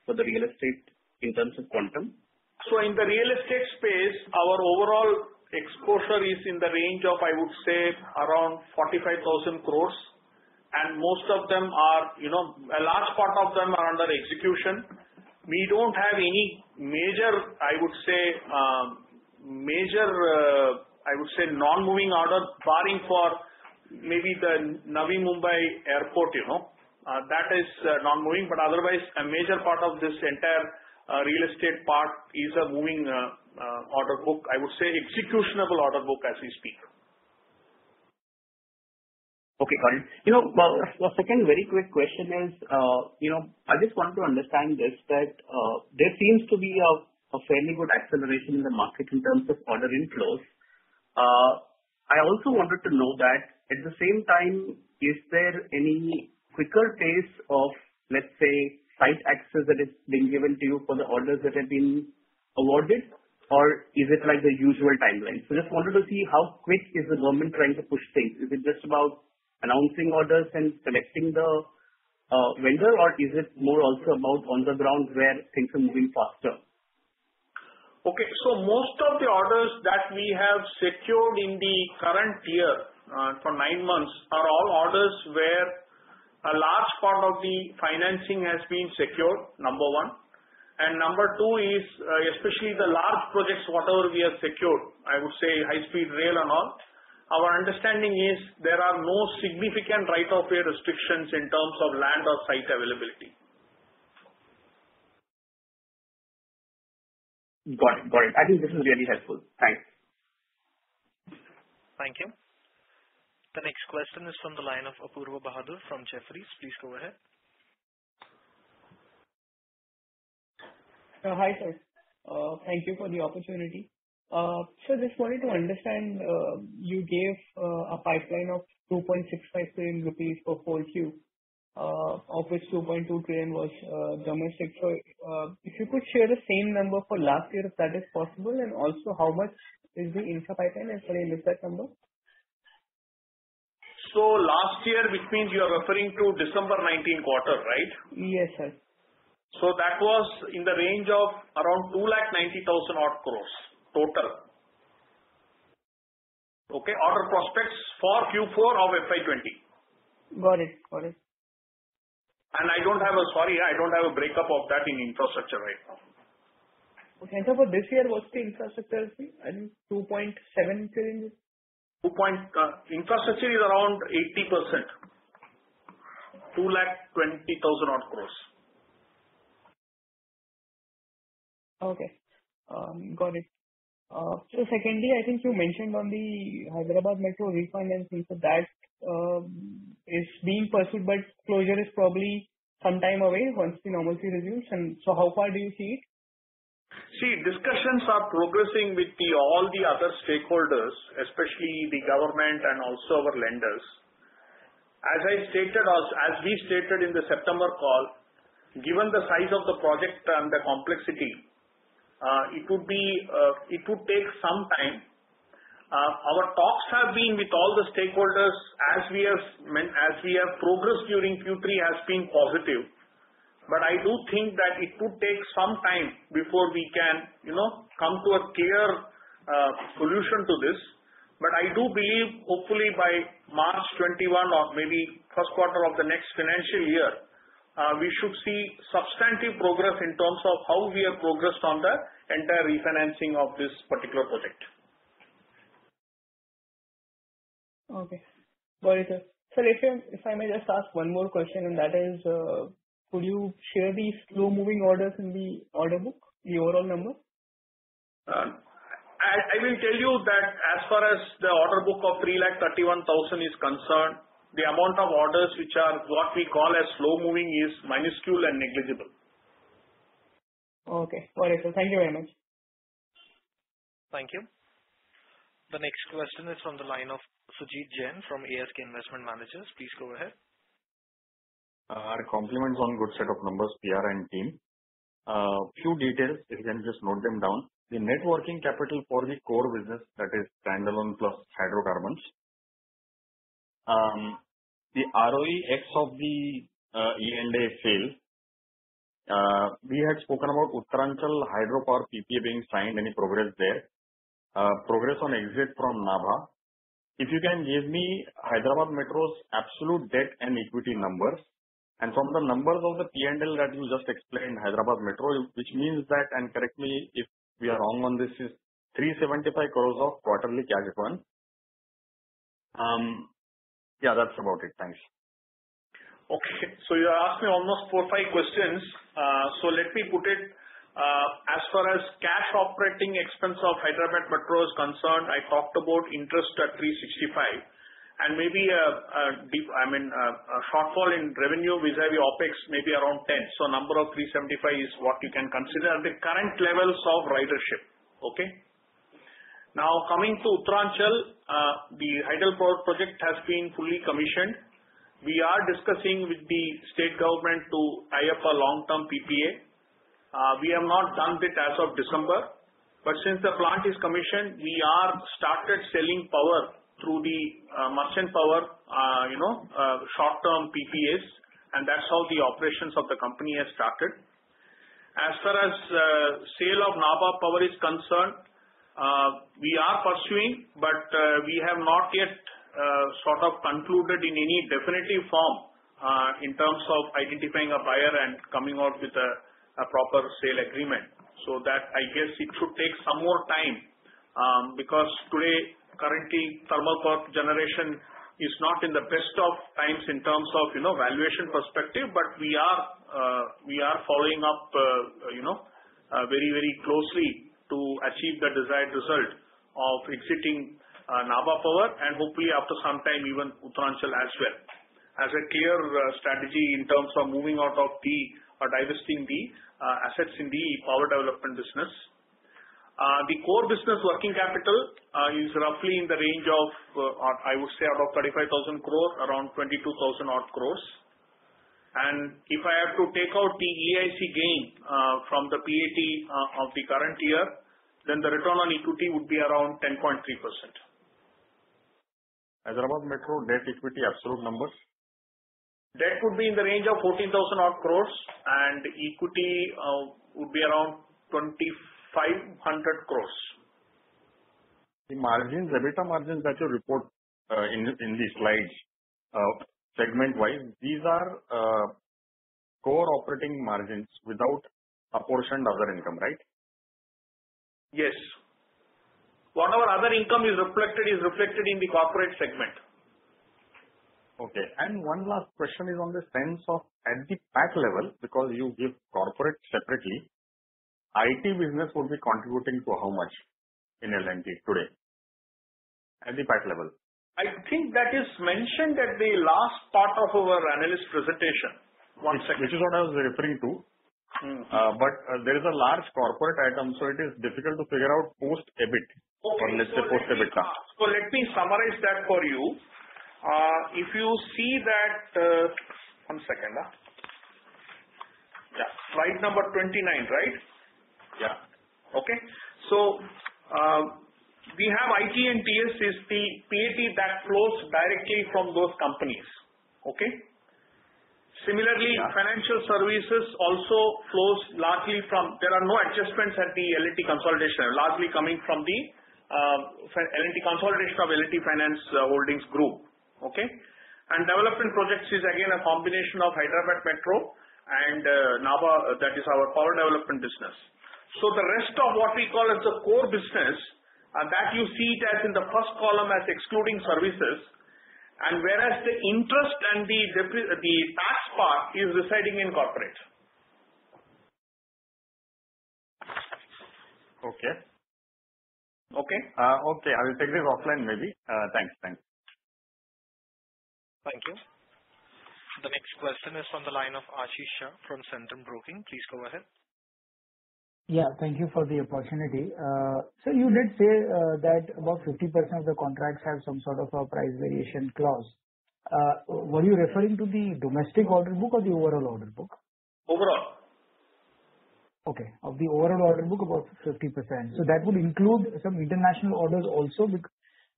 for the real estate in terms of quantum? In the real estate space, our overall exposure is in the range of, I would say, around 45,000 crore, and a large part of them are under execution. We don't have any major, I would say, non-moving order barring for maybe the Navi Mumbai airport. That is non-moving, but otherwise, a major part of this entire real estate part is a moving order book, I would say executable order book as we speak. Okay, got it. The second very quick question is, I just want to understand this, that there seems to be a fairly good acceleration in the market in terms of order inflows. I also wanted to know that at the same time, is there any quicker pace of, let's say, site access that is being given to you for the orders that have been awarded, or is it like the usual timeline? Just wanted to see how quick is the government trying to push things. Is it just about announcing orders and selecting the vendor, or is it more also about on the ground where things are moving faster? Most of the orders that we have secured in the current year for nine months are all orders where a large part of the financing has been secured, number one. Number two is, especially the large projects, whatever we have secured, I would say High-Speed Rail and all, our understanding is there are no significant right-of-way restrictions in terms of land or site availability. Got it. I think this is really helpful. Thanks. Thank you. The next question is from the line of Apoorva Bahadur from Jefferies. Please go ahead. Hi, sir. Thank you for the opportunity. Sir, just wanted to understand, you gave a pipeline of 2.65 trillion rupees for 4Q, of which 2.2 trillion was domestic. If you could share the same number for last year, if that is possible, and also how much is the infra pipeline, if you can give that number. Last year, which means you are referring to December 2019 quarter, right? Yes, sir. That was in the range of around 290,000 odd crores total. Okay? Order prospects for Q4 of FY 2020. Got it. Sorry, I don't have a breakup of that in Infrastructure right now. Okay. Sir, for this year what's the Infrastructure portion? I think 2.7 trillion? Infrastructure is around 80%, 220,000 odd crores. Okay. Got it. Secondly, I think you mentioned on the Hyderabad Metro refinance, and so that is being pursued, but closure is probably some time away once the normalcy resumes. How far do you see it? Discussions are progressing with all the other stakeholders, especially the government and also our lenders. As we stated in the September call, given the size of the project and the complexity, it would take some time. Our talks have been with all the stakeholders as we have progressed during Q3 has been positive. I do think that it could take some time before we can come to a clear solution to this. I do believe hopefully by March 2021 or maybe first quarter of the next financial year, we should see substantive progress in terms of how we have progressed on the entire refinancing of this particular project. Okay. Got it, sir. Sir, if I may just ask one more question, and that is, could you share the slow-moving orders in the order book, the overall number? I will tell you that as far as the order book of 331,000 is concerned, the amount of orders which are what we call as slow-moving is minuscule and negligible. Okay. Got it, sir. Thank you very much. Thank you. The next question is from the line of Sujit Jain from ASK Investment Managers. Please go ahead. Our compliments on good set of numbers, P.R. and team. A few details, if you can just note them down. The net working capital for the core business, that is standalone plus Hydrocarbons. The ROE ex of the E&A sale. We had spoken about Uttaranchal Hydropower PPA being signed. Any progress there? Progress on exit from Nabha. If you can give me Hyderabad Metro's absolute debt and equity numbers, and from the numbers of the P&L that you just explained, Hyderabad Metro, which means that, and correct me if we are wrong on this, is 375 crores of quarterly cash burn. Yeah, that's about it. Thanks. Okay. You asked me almost four or five questions. Let me put it, as far as cash operating expense of Hyderabad Metro is concerned, I talked about interest at 365, and maybe a shortfall in revenue vis-à-vis OpEx may be around 10. Number of 375 is what you can consider at the current levels of ridership. Okay. Now, coming to Uttaranchal, the hydropower project has been fully commissioned. We are discussing with the state government to tie up a long-term PPA. We have not done it as of December. Since the plant is commissioned, we are started selling power through the merchant power short-term PPAs. That's how the operations of the company has started. As far as sale of Nabha Power is concerned, we are pursuing, but we have not yet concluded in any definitive form in terms of identifying a buyer and coming out with a proper sale agreement. That I guess it should take some more time, because today currently thermal power generation is not in the best of times in terms of valuation perspective, but we are following up very closely to achieve the desired result of exiting Nabha Power and hopefully after some time even Uttaranchal as well. As a clear strategy in terms of moving out of the, or divesting the assets in the Power Development business. The core business working capital is roughly in the range of, I would say about 35,000 crore, around 22,000 odd crore. If I have to take out the E&A IC gain from the PAT of the current year, then the return on equity would be around 10.3%. Hyderabad Metro debt equity absolute numbers. Debt would be in the range of 14,000 odd crores and equity would be around 2,500 crores. The EBITDA margins that you report in the slides segment-wise, these are core operating margins without apportioned other income, right? Yes. Whatever other income is reflected is reflected in the corporate segment. Okay. One last question is on the sense of at the PAT level, because you give corporate separately, IT business will be contributing to how much in L&T today? At the PAT level. I think that is mentioned at the last part of our analyst presentation. One second. Which is what I was referring to. There is a large corporate item, so it is difficult to figure out post-EBIT or let's say post-EBITDA. Let me summarize that for you. If you see that, one second. Yeah, slide number 29, right? Yeah. Okay. We have IT and TS is the PAT that flows directly from those companies. Okay. Yeah Financial Services also flows largely from, there are no adjustments at the L&T consolidation, largely coming from the L&T consolidation of L&T Finance Holdings Group. Okay? Development Projects is again a combination of Hyderabad Metro and Nabha, that is our Power Development business. The rest of what we call as the core business, that you see it as in the first column as excluding services, and whereas the interest and the tax part is residing in corporate. Okay. Okay? Okay. I will take this offline maybe. Thanks. Thank you. The next question is on the line of Ashish Shah from Centrum Broking. Please go ahead. Yeah, thank you for the opportunity. Sir, you did say that about 50% of the contracts have some sort of a price variation clause. Were you referring to the domestic order book or the overall order book? Overall. Okay. Of the overall order book, about 50%. That would include some international orders also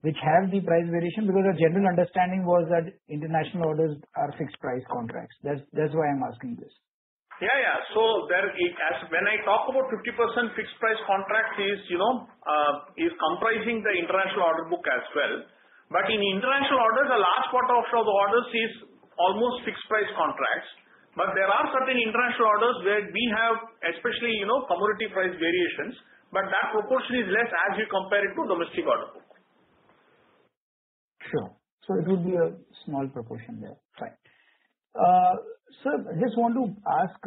which have the price variation. Our general understanding was that international orders are fixed price contracts. That's why I'm asking this. Yeah. When I talk about 50% fixed price contract is comprising the international order book as well. In international orders, the large part of the orders is almost fixed price contracts. There are certain international orders where we have, especially, commodity price variations, but that proportion is less as you compare it to domestic order book. It will be a small proportion there. Fine. Sir, I just want to ask,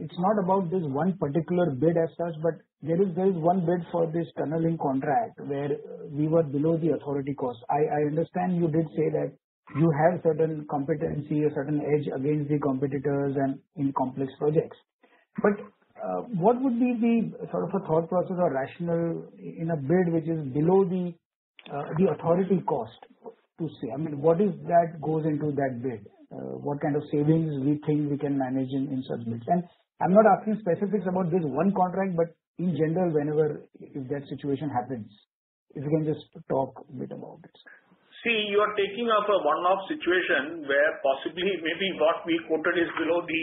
it's not about this one particular bid as such, but there is one bid for this tunneling contract where we were below the authority cost. I understand you did say that you have certain competency, a certain edge against the competitors and in complex projects. What would be the sort of a thought process or rationale in a bid which is below the authority cost to say, what is that goes into that bid? What kind of savings we think we can manage in such bids? I'm not asking specifics about this one contract, but in general, whenever, if that situation happens. If you can just talk a bit about it. You are taking off a one-off situation where possibly, maybe what we quoted is below the,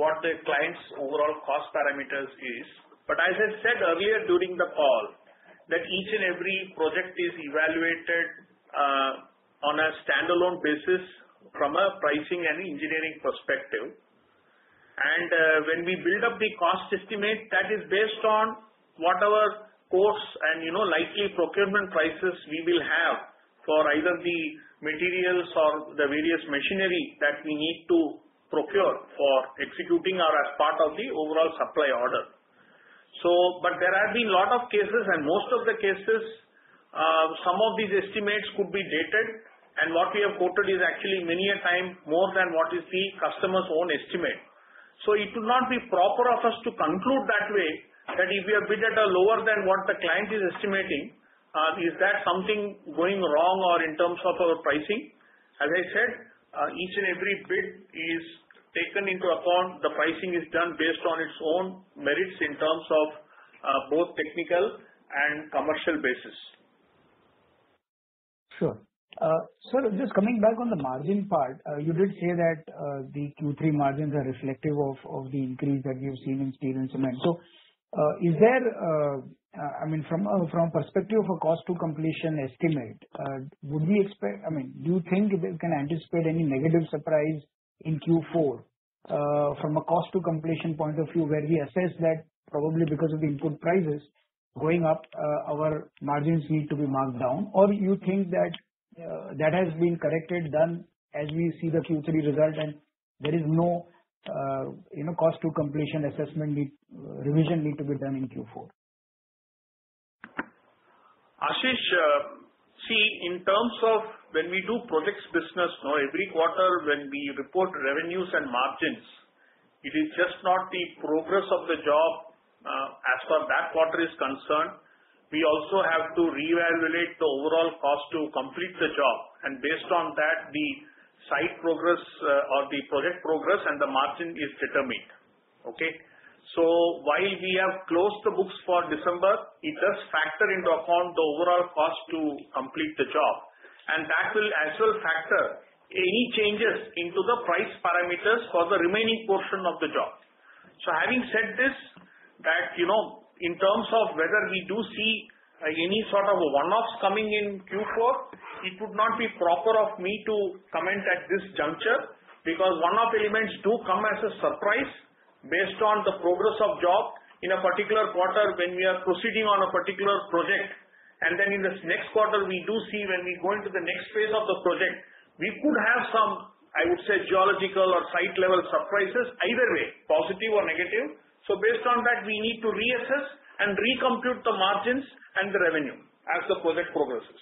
what the client's overall cost parameters is. As I said earlier during the call, that each and every project is evaluated on a standalone basis from a pricing and engineering perspective. When we build up the cost estimate, that is based on what our course and likely procurement prices we will have for either the materials or the various machinery that we need to procure for executing or as part of the overall supply order. There have been lot of cases, and most of the cases, some of these estimates could be dated, and what we have quoted is actually many a time more than what is the customer's own estimate. It would not be proper of us to conclude that way, that if we have bid at a lower than what the client is estimating, is that something going wrong or in terms of our pricing? As I said, each and every bid is taken into account. The pricing is done based on its own merits in terms of both technical and commercial basis. Sure. Sir, just coming back on the margin part. You did say that the Q3 margins are reflective of the increase that you've seen in steel and cement. Is there, from perspective of a cost to completion estimate, do you think we can anticipate any negative surprise in Q4? From a cost to completion point of view where we assess that probably because of the input prices going up, our margins need to be marked down. You think that has been corrected, done, as we see the Q3 result and there is no cost to completion assessment revision need to be done in Q4? Ashish, see, in terms of when we do projects business now every quarter when we report revenues and margins, it is just not the progress of the job as per that quarter is concerned. We also have to reevaluate the overall cost to complete the job, and based on that, the site progress or the project progress and the margin is determined. Okay? While we have closed the books for December, it does factor into account the overall cost to complete the job. That will as well factor any changes into the price parameters for the remaining portion of the job. Having said this, that in terms of whether we do see any sort of one-offs coming in Q4, it would not be proper of me to comment at this juncture because one-off elements do come as a surprise based on the progress of job in a particular quarter when we are proceeding on a particular project. In the next quarter, we do see when we go into the next phase of the project, we could have some I would say geological or site level surprises, either way, positive or negative. Based on that, we need to reassess and recompute the margins and the revenue as the project progresses.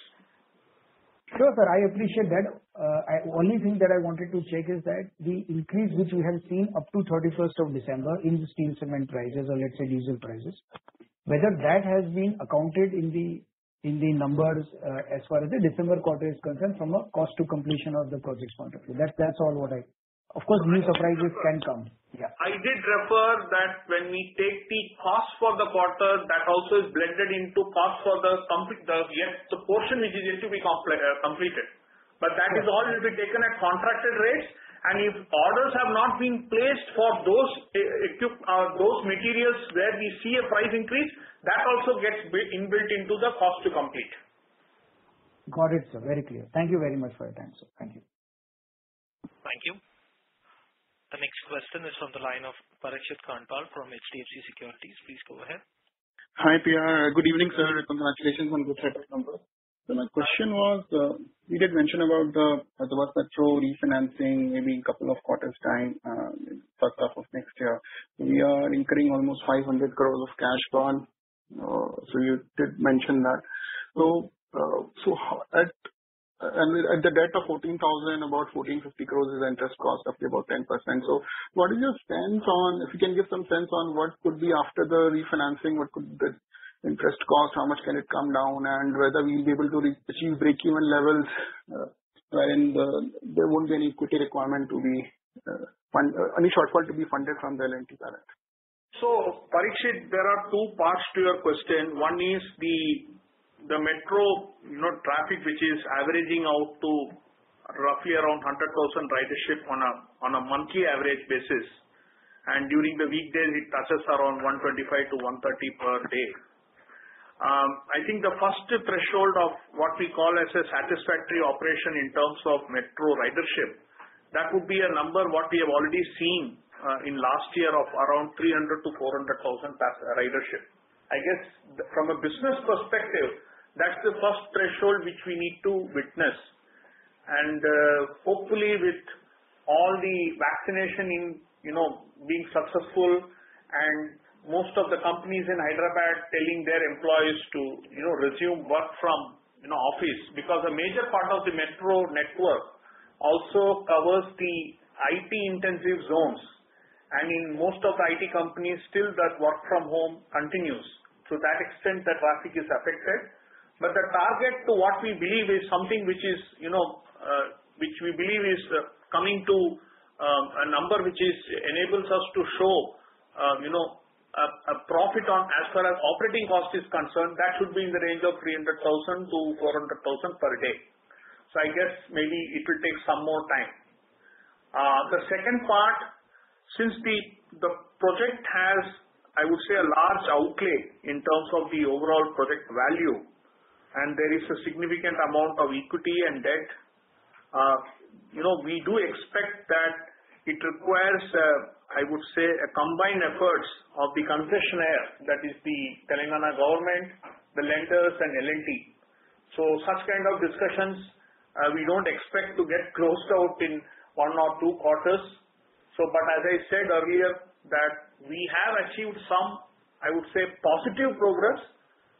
Sure, sir, I appreciate that. Only thing that I wanted to check is that the increase which we have seen up to 31st of December in the steel, cement prices, or let's say diesel prices, whether that has been accounted in the numbers as far as the December quarter is concerned from a cost to completion of the project point of view. Of course, new surprises can come. Yeah. I did refer that when we take the cost for the quarter, that also is blended into cost for the portion which is yet to be completed. That is all will be taken at contracted rates. If orders have not been placed for those materials where we see a price increase, that also gets inbuilt into the cost to complete. Got it, sir. Very clear. Thank you very much for your time, sir. Thank you. Thank you. The next question is on the line of Parikshit Kandpal from HDFC Securities. Please go ahead. Hi, P.R. Good evening, sir. Congratulations on good set of numbers. My question was, you did mention about the Hyderabad Metro refinancing maybe in couple of quarters time, first half of next year. You are incurring almost 500 crores of cash burn. You did mention that. At the debt of 14,000, about 1,450 crores is the interest cost, roughly about 10%. If you can give some sense on what could be after the refinancing, what could the interest cost, how much can it come down, and whether we'll be able to achieve breakeven levels wherein there won't be any shortfall to be funded from the L&T side. Parikshit, there are two parts to your question. One is the Metro traffic, which is averaging out to roughly around 100,000 ridership on a monthly average basis. During the weekday, it touches around 125 to 130 per day. I think the first threshold of what we call as a satisfactory operation in terms of Metro ridership, that would be a number what we have already seen in last year of around 300,000 to 400,000 ridership. I guess from a business perspective, that's the first threshold which we need to witness. Hopefully with all the vaccination being successful and most of the companies in Hyderabad telling their employees to resume work from office, because a major part of the Metro network also covers the IT intensive zones. In most of the IT companies, still that work from home continues. To that extent, that traffic is affected. The target to what we believe is something which we believe is coming to a number which enables us to show a profit on as far as operating cost is concerned, that should be in the range of 300,000 to 400,000 per day. I guess maybe it will take some more time. The second part, since the project has, I would say, a large outlay in terms of the overall project value, and there is a significant amount of equity and debt. We do expect that it requires, I would say, a combined efforts of the concessionaire, that is the Telangana government, the lenders, and L&T. Such kind of discussions, we don't expect to get closed out in one or two quarters. As I said earlier, that we have achieved some positive progress,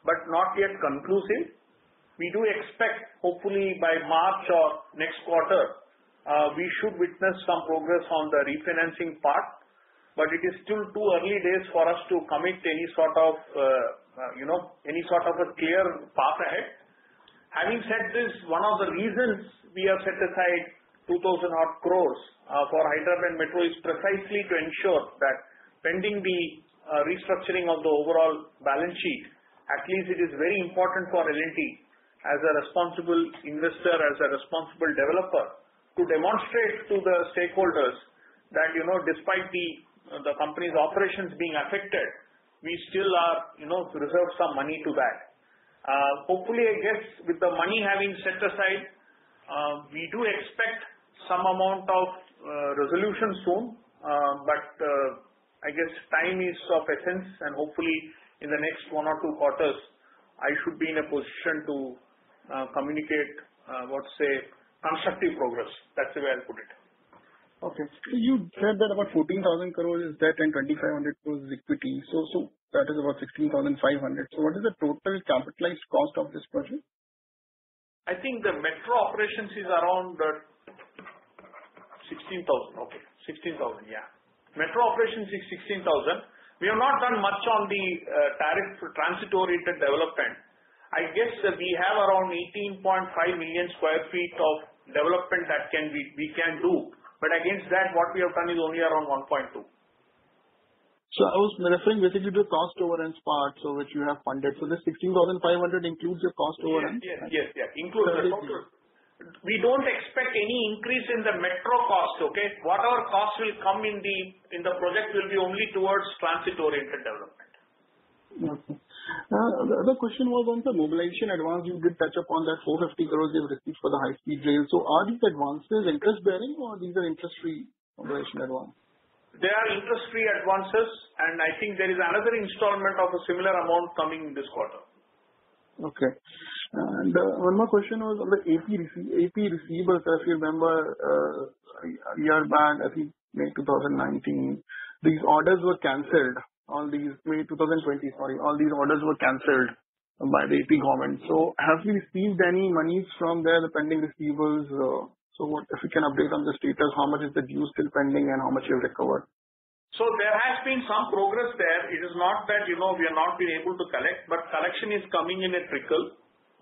but not yet conclusive. We do expect, hopefully by March or next quarter, we should witness some progress on the refinancing part. It is still too early days for us to commit any sort of a clear path ahead. Having said this, one of the reasons we have set aside 2,000 crore for Hyderabad Metro is precisely to ensure that pending the restructuring of the overall balance sheet, at least it is very important for L&T as a responsible investor, as a responsible developer, to demonstrate to the stakeholders that despite the company's operations being affected, we still are to reserve some money to that. Hopefully, with the money having set aside, we do expect some amount of resolution soon. I guess time is of essence, and hopefully in the next one or two quarters, I should be in a position to communicate, what to say, constructive progress. That's the way I'll put it. Okay. You said that about 14,000 crore is debt and 2,500 crore is equity. That is about 16,500. What is the total capitalized cost of this project? I think the Metro operations is around- 16,000, okay. 16,000, yeah. Metro operations is 16,000. We have not done much on the transit-oriented development. I guess we have around 18.5 million sq ft of development that we can do. Against that, what we have done is only around 1.2 million sq ft. I was referring basically to the cost overruns part, so which you have funded. The 16,500 includes your cost overrun? Yes, includes the cost overrun. We don't expect any increase in the Metro cost, okay. Whatever cost will come in the project will be only towards transit-oriented development. Okay. The other question was on the mobilization advance. You did touch upon that 450 crores you have received for the High-Speed Rail. Are these advances interest-bearing or these are interest-free mobilization advance? They are interest-free advances, and I think there is another installment of a similar amount coming this quarter. Okay. One more question was on the AP receivables. If you remember a year back, I think May 2019, these orders were canceled. May 2020, sorry. All these orders were canceled by the AP government. Have you received any monies from their pending receivables? If you can update on the status, how much is the dues still pending and how much you have recovered? There has been some progress there. It is not that we have not been able to collect, but collection is coming in a trickle.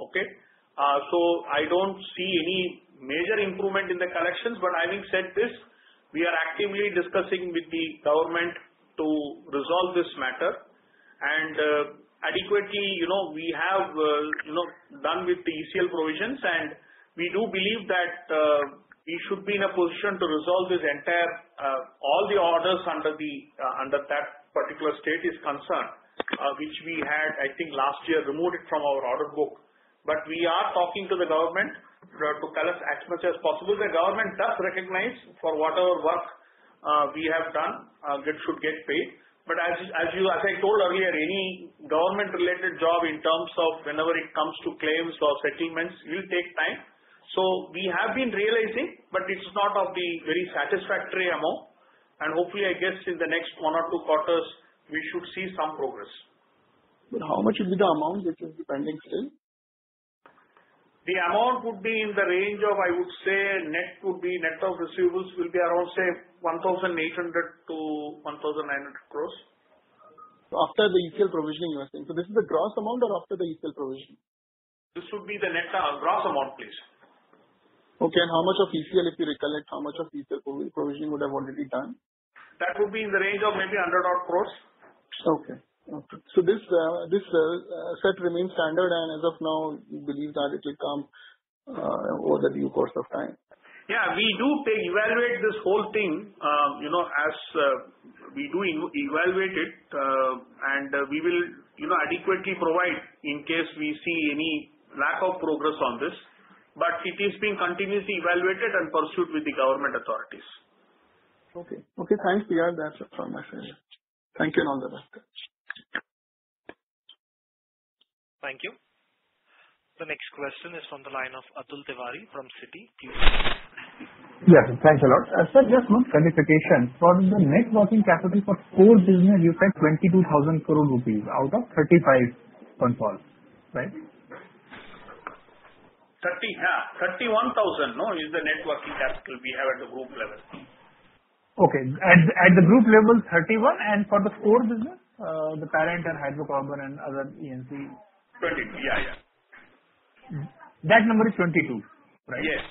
Okay? I don't see any major improvement in the collections, but having said this, we are actively discussing with the government to resolve this matter and adequately, we have done with the ECL provisions, and we do believe that we should be in a position to resolve this entire, all the orders under that particular state is concerned, which we had, I think last year removed it from our order book. We are talking to the government to collect as much as possible. The government does recognize for whatever work we have done, it should get paid. As I told earlier, any government-related job in terms of whenever it comes to claims or settlements will take time. We have been realizing, but it's not of the very satisfactory amount. Hopefully, I guess in the next one or two quarters, we should see some progress. How much is the amount which is pending still? The amount would be in the range of, I would say, net of receivables will be around, say, 1,800 crores-1,900 crores. After the ECL provisioning, you are saying. This is the gross amount or after the ECL provision? This would be the gross amount, please. Okay, how much of ECL, if you recollect, how much of ECL provision would have already done? That would be in the range of maybe 100 odd crores. Okay. This set remains standard and as of now, you believe that it will come over the due course of time. Yeah, we do evaluate this whole thing. We do evaluate it, and we will adequately provide in case we see any lack of progress on this. It is being continuously evaluated and pursued with the government authorities. Okay. Thanks, P.R. That's it from my side. Thank you, and all the best. Thank you. The next question is on the line of Atul Tiwari from Citi. Please go ahead. Yes, thanks a lot. Sir, just one clarification. For the net working capital for core business, you said INR 22,000 crore out of INR 35,000 consol, right? 31,000, no? Is the net working capital we have at the group level? Okay. At the group level 31,000 and for the core business, the parent and Hydrocarbon and other E&C. 20,000. Yeah. That number is 22,000, right? Yes.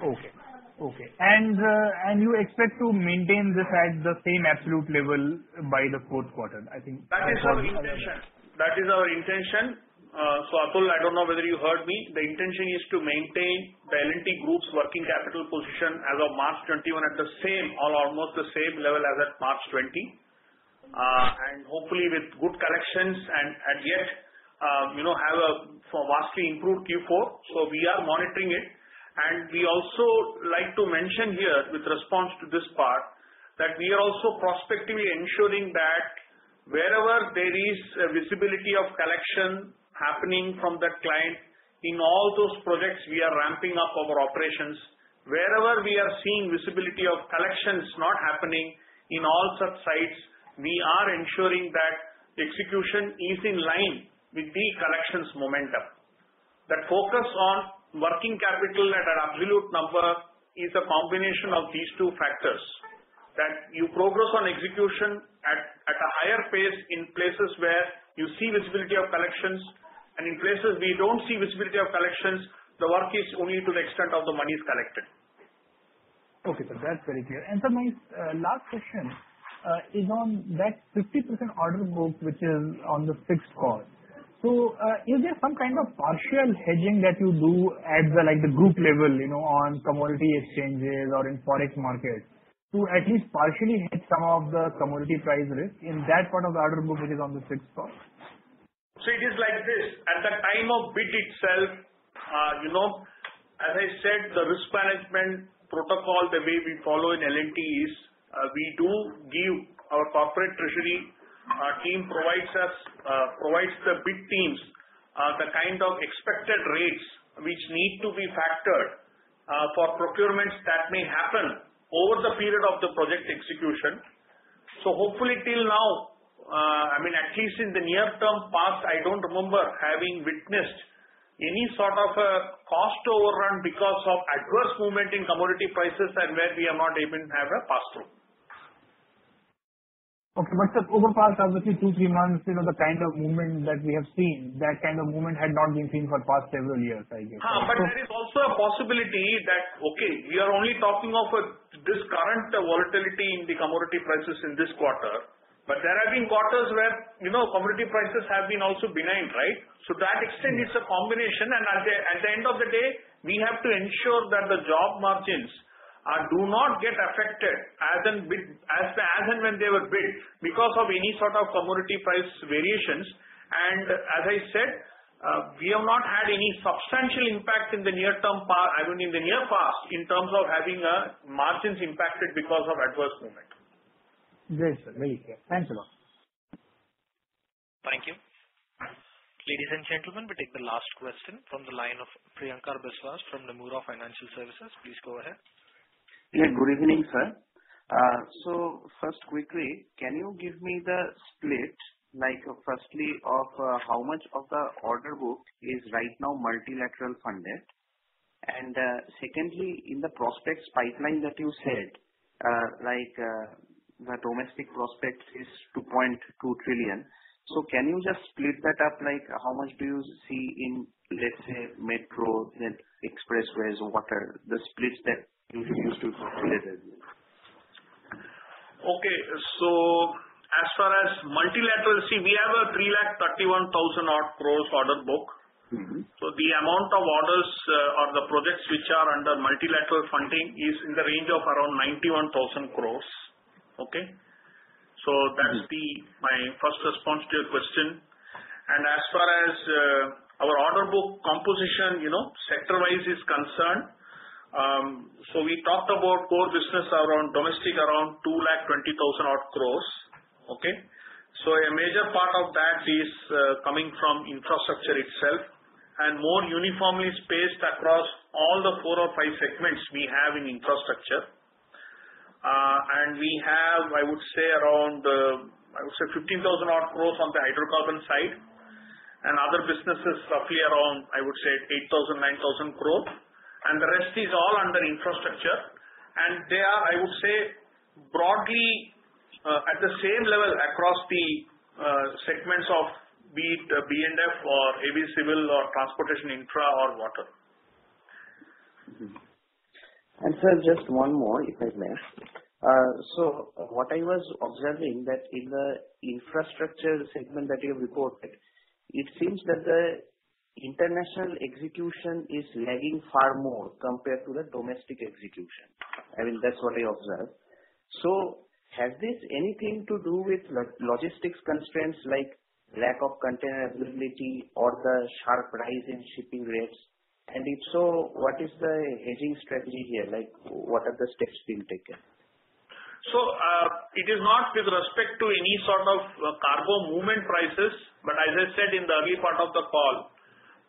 Okay. You expect to maintain this at the same absolute level by the fourth quarter, I think. That is our intention. Atul, I don't know whether you heard me. The intention is to maintain the L&T group's working capital position as of March 2021 at the same or almost the same level as at March 2020. Hopefully with good collections and yet have a vastly improved Q4. We are monitoring it. We also like to mention here with response to this part that we are also prospectively ensuring that wherever there is visibility of collection happening from that client, in all those projects, we are ramping up our operations. Wherever we are seeing visibility of collections not happening, in all such sites, we are ensuring that execution is in line with the collections momentum. The focus on working capital at an absolute number is a combination of these two factors. That you progress on execution at a higher pace in places where you see visibility of collections, and in places we don't see visibility of collections, the work is only to the extent of the monies collected. Okay, sir. That's very clear. Sir, my last question is on that 50% order book which is on the fixed cost. Is there some kind of partial hedging that you do at the group level on commodity exchanges or in Forex market to at least partially hedge some of the commodity price risk in that part of the order book which is on the fixed cost? It is like this. At the time of bid itself, as I said, the risk management protocol the way we follow in L&T is we do give our corporate treasury team provides the bid teams the kind of expected rates which need to be factored for procurements that may happen over the period of the project execution. Hopefully till now, at least in the near term past, I don't remember having witnessed any sort of a cost overrun because of adverse movement in commodity prices and where we have not even have a pass-through. Okay. Sir, over past, I don't know, two, three months, the kind of movement that we have seen, that kind of movement had not been seen for the past several years, I guess. There is also a possibility that, okay, we are only talking of this current volatility in the commodity prices in this quarter, but there have been quarters where commodity prices have been also benign. That extent is a combination, and at the end of the day, we have to ensure that the job margins do not get affected as and when they were bid because of any sort of commodity price variations. As I said, we have not had any substantial impact in the near past in terms of having margins impacted because of adverse movement. Great, sir. Very clear. Thanks a lot. Thank you. Ladies and gentlemen, we'll take the last question from the line of Priyankar Biswas from Nomura Financial Services. Please go ahead. Yeah, good evening, sir. First, quickly, can you give me the split, firstly, of how much of the order book is right now multilateral funded? Secondly, in the prospects pipeline that you said, the domestic prospects is 2.2 trillion. Can you just split that up? How much do you see in, let's say, Metro, then Expressways, Water, the splits that you used to? Okay. As far as multilateral, see, we have a 331,000 odd crores order book. The amount of orders or the projects which are under multilateral funding is in the range of around 91,000 crore. Okay? That's my first response to your question. As far as our order book composition sector-wise is concerned, we talked about core business domestic, around 220,000 odd crore. Okay? A major part of that is coming from Infrastructure itself and more uniformly spaced across all the four or five segments we have in Infrastructure. We have, I would say, 15,000 odd crore on the Hydrocarbon side, and other businesses roughly around, I would say, 8,000 crore-9,000 crore, and the rest is all under infrastructure. They are, I would say, broadly at the same level across the segments of be it B&F or Heavy Civil or Transportation Infra or Water. Mm-hmm. Sir, just one more, if I may. What I was observing that in the Infrastructure segment that you've reported, it seems that the international execution is lagging far more compared to the domestic execution. I mean, that's what I observed. Has this anything to do with logistics constraints, like lack of container availability or the sharp rise in shipping rates? If so, what is the hedging strategy here? What are the steps being taken? It is not with respect to any sort of cargo movement prices, but as I said in the early part of the call,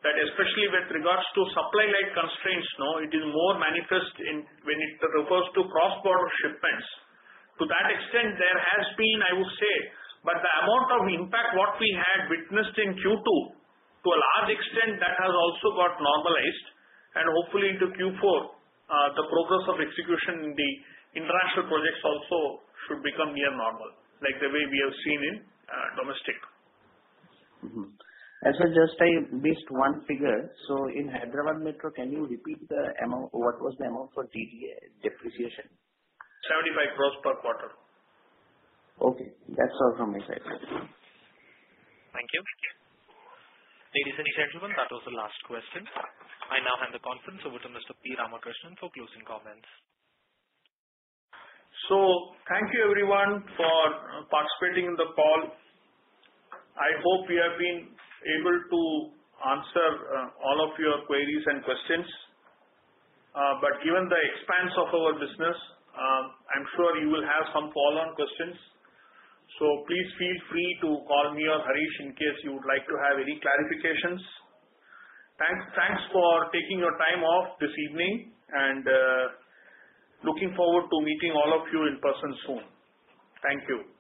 that especially with regards to supply-like constraints, it is more manifest when it refers to cross-border shipments. To that extent, there has been, I would say, but the amount of impact what we had witnessed in Q2, to a large extent, that has also got normalized. Hopefully into Q4, the progress of execution in the international projects also should become near normal, like the way we have seen in domestic. Sir, just I missed one figure. In Hyderabad Metro, can you repeat what was the amount for depreciation? 75 crores per quarter. Okay. That's all from my side. Thank you. Ladies and gentlemen, that was the last question. I now hand the conference over to Mr. P. Ramakrishnan for closing comments. Thank you everyone for participating in the call. I hope we have been able to answer all of your queries and questions. Given the expanse of our business, I'm sure you will have some follow-on questions. Please feel free to call me or Harish in case you would like to have any clarifications. Thanks for taking your time off this evening, and looking forward to meeting all of you in person soon. Thank you. Thank you.